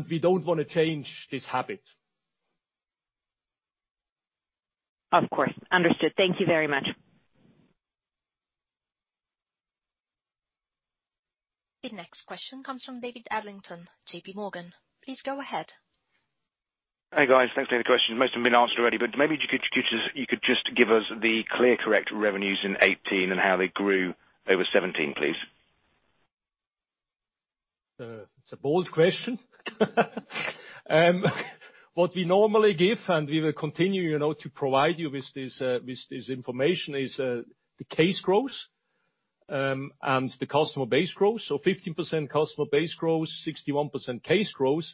We don't want to change this habit. Of course. Understood. Thank you very much. The next question comes from David Adlington, J.P. Morgan. Please go ahead. Hey, guys. Thanks for taking the question. Most have been asked already, but maybe you could just give us the ClearCorrect revenues in 2018 and how they grew over 2017, please. It's a bold question. What we normally give, and we will continue to provide you with this information is, the case growth, and the customer base growth. 15% customer base growth, 61% case growth.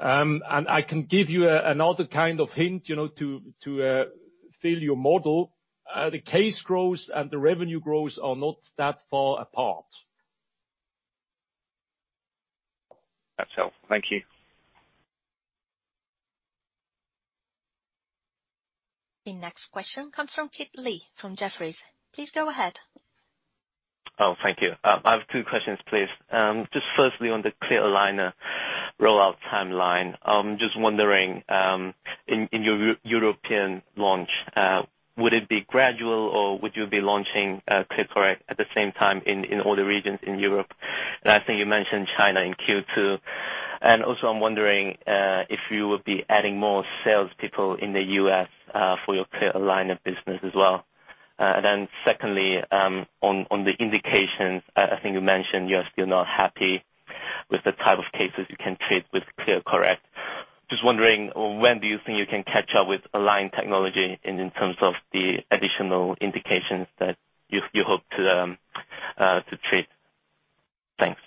I can give you another kind of hint to fill your model. The case growth and the revenue growth are not that far apart. That's helpful. Thank you. The next question comes from Kit Lee from Jefferies. Please go ahead. Thank you. I have two questions, please. Firstly, on the clear aligner rollout timeline. Wondering, in your European launch, would it be gradual or would you be launching ClearCorrect at the same time in all the regions in Europe? I think you mentioned China in Q2. I am wondering if you would be adding more salespeople in the U.S. for your clear aligner business as well. Secondly, on the indications, I think you mentioned you are still not happy with the type of cases you can treat with ClearCorrect. Wondering, when do you think you can catch up with Align Technology in terms of the additional indications that you hope to treat? Thanks.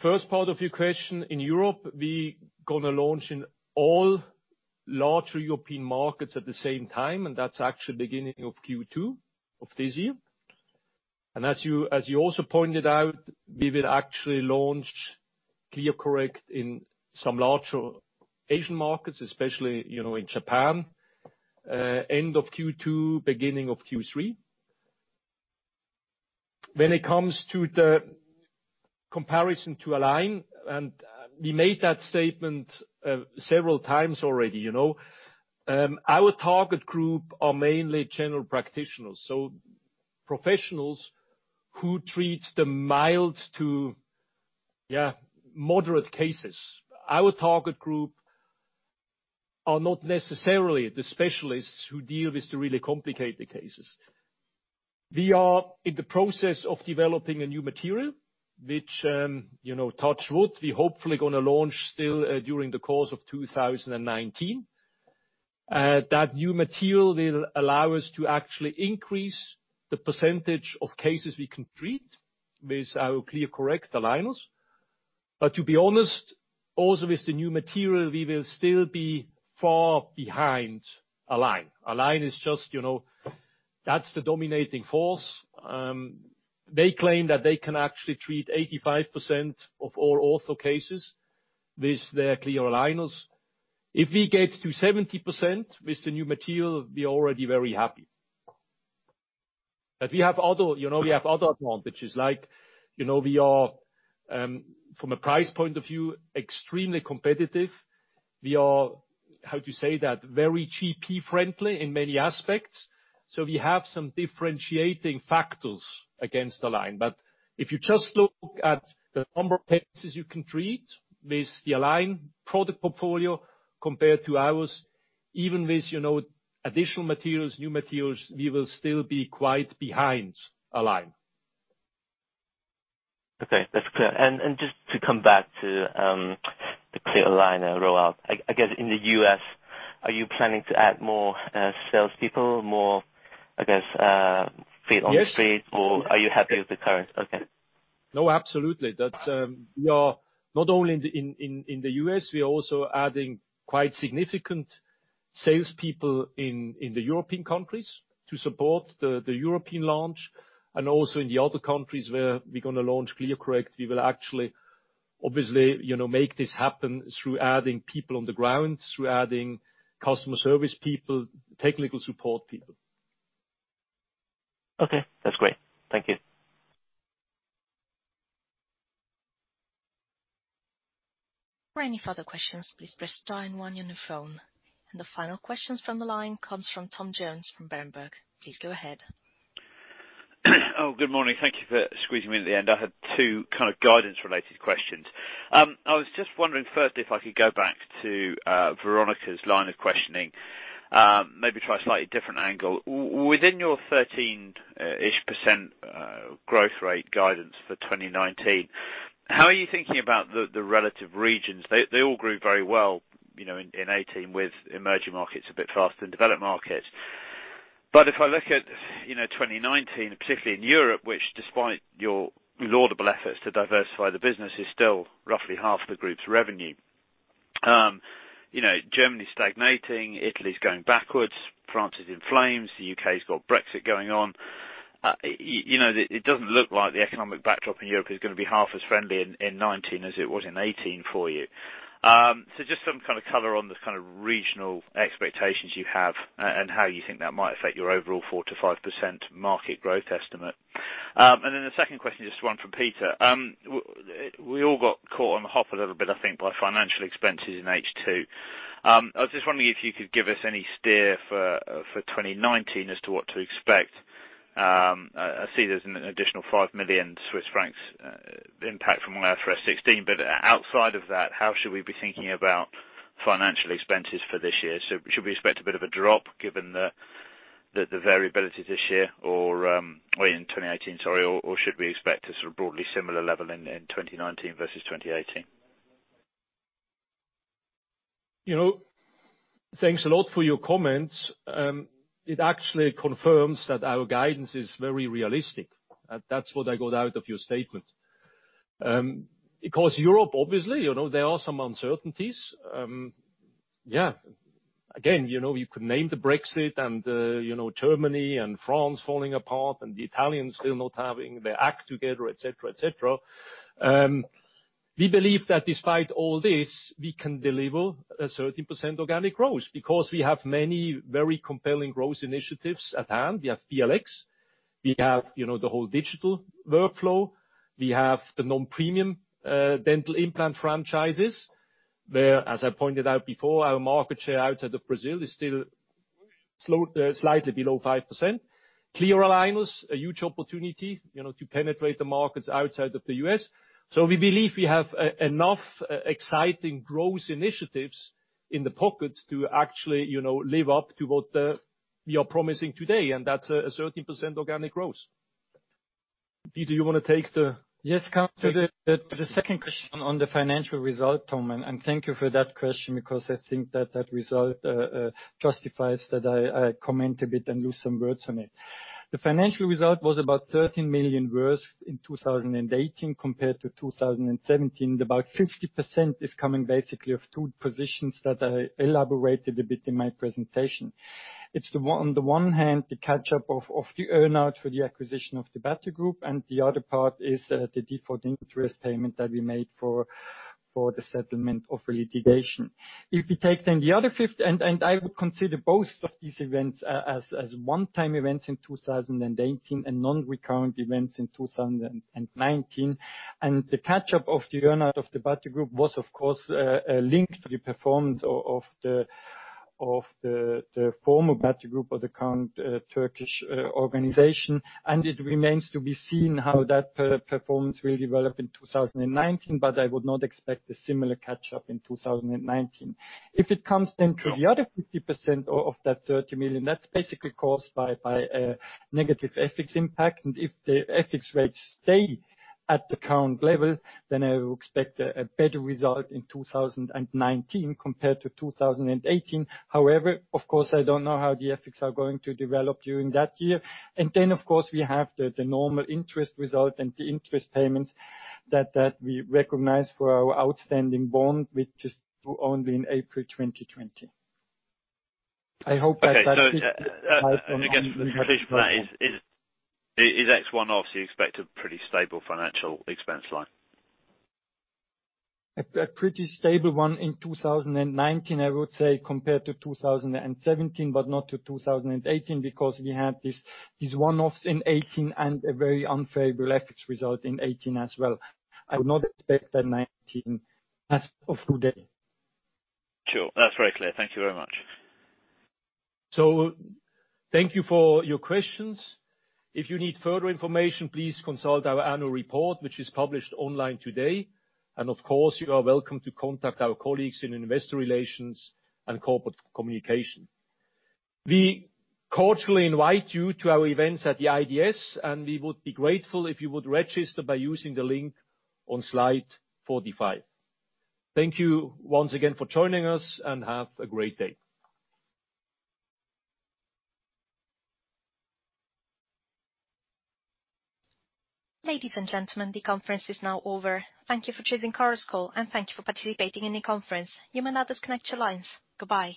First part of your question, in Europe, we are going to launch in all larger European markets at the same time, and that is actually beginning of Q2 of this year. As you also pointed out, we will actually launch ClearCorrect in some larger Asian markets, especially in Japan, end of Q2, beginning of Q3. When it comes to the comparison to Align, we made that statement several times already. Our target group are mainly general practitioners, so professionals who treat the mild to moderate cases. Our target group are not necessarily the specialists who deal with the really complicated cases. We are in the process of developing a new material, which touch wood, we are hopefully going to launch still during the course of 2019. That new material will allow us to actually increase the percentage of cases we can treat with our ClearCorrect aligners. To be honest, also with the new material, we will still be far behind Align. Align is just, that is the dominating force. They claim that they can actually treat 85% of all ortho cases with their clear aligners. If we get to 70% with the new material, we are already very happy. We have other advantages, like, we are, from a price point of view, extremely competitive. We are, how to say that, very GP-friendly in many aspects. We have some differentiating factors against Align. If you just look at the number of cases you can treat with the Align product portfolio compared to ours, even with additional materials, new materials, we will still be quite behind Align. Okay, that is clear. Just to come back to the clear aligner rollout. I guess, in the U.S., are you planning to add more salespeople, more, I guess, feet on the street? Yes. Are you happy with the current? Okay. No, absolutely. Not only in the U.S., we are also adding quite significant salespeople in the European countries to support the European launch, also in the other countries where we're going to launch ClearCorrect. We will actually, obviously, make this happen through adding people on the ground, through adding customer service people, technical support people. Okay, that's great. Thank you. For any further questions, please press star and one on your phone. The final questions from the line comes from Tom Jones from Berenberg. Please go ahead. Good morning. Thank you for squeezing me in at the end. I had two kind of guidance related questions. I was just wondering, first, if I could go back to Veronika's line of questioning. Maybe try a slightly different angle. Within your 13%ish growth rate guidance for 2019, how are you thinking about the relative regions? They all grew very well in 2018, with emerging markets a bit faster than developed markets. If I look at 2019, particularly in Europe, which despite your laudable efforts to diversify the business, is still roughly half the group's revenue. Germany's stagnating, Italy's going backwards, France is in flames, the U.K.'s got Brexit going on. It doesn't look like the economic backdrop in Europe is going to be half as friendly in 2019 as it was in 2018 for you. Just some kind of color on the kind of regional expectations you have and how you think that might affect your overall 4%-5% market growth estimate. The second question, just one for Peter. We all got caught on the hop a little bit, I think, by financial expenses in H2. I was just wondering if you could give us any steer for 2019 as to what to expect. I see there's an additional 5 million Swiss francs impact from IFRS 16, outside of that, how should we be thinking about financial expenses for this year? Should we expect a bit of a drop given the variability this year or, in 2018, sorry. Should we expect a sort of broadly similar level in 2019 versus 2018? Thanks a lot for your comments. It actually confirms that our guidance is very realistic. That's what I got out of your statement. Europe, obviously, there are some uncertainties. Again, you could name the Brexit and Germany and France falling apart and the Italians still not having their act together, et cetera. We believe that despite all this, we can deliver a 13% organic growth because we have many very compelling growth initiatives at hand. We have BLX, we have the whole digital workflow. We have the non-premium dental implant franchises, where, as I pointed out before, our market share outside of Brazil is still slightly below 5%. clear aligners, a huge opportunity to penetrate the markets outside of the U.S. We believe we have enough exciting growth initiatives in the pockets to actually live up to what we are promising today, and that's a 13% organic growth. Peter, you want to take the. Yes, come to the second question on the financial result, Tom. Thank you for that question because I think that result justifies that I comment a bit and lose some words on it. The financial result was about 13 million worse in 2018 compared to 2017. About 50% is coming basically of two positions that I elaborated a bit in my presentation. It's on the one hand, the catch-up of the earn-out for the acquisition of the Batigroup, and the other part is the default interest payment that we made for the settlement of litigation. If you take the other 50, I would consider both of these events as one-time events in 2018 and non-recurrent events in 2019. The catch-up of the earn-out of the Batigroup was, of course, linked to the performance of the former Batigroup or the current Turkish organization, and it remains to be seen how that performance will develop in 2019, but I would not expect a similar catch-up in 2019. If it comes to the other 50% of that 13 million, that's basically caused by a negative FX impact. If the FX rates stay at the current level, I would expect a better result in 2019 compared to 2018. However, of course, I don't know how the FX are going to develop during that year. Of course, we have the normal interest result and the interest payments that we recognize for our outstanding bond, which is only in April 2020. Okay. Again, in addition to that, [one-offs] obviously expect a pretty stable financial expense line? A pretty stable one in 2019, I would say, compared to 2017, but not to 2018 because we had these one-offs in 2018 and a very unfavorable FX result in 2018 as well. I would not expect that 2019 as of today. Sure. That's very clear. Thank you very much. Thank you for your questions. If you need further information, please consult our annual report, which is published online today. Of course, you are welcome to contact our colleagues in investor relations and corporate communication. We cordially invite you to our events at the IDS, and we would be grateful if you would register by using the link on slide 45. Thank you once again for joining us, and have a great day. Ladies and gentlemen, the conference is now over. Thank you for choosing Chorus Call, and thank you for participating in the conference. You may now disconnect your lines. Goodbye.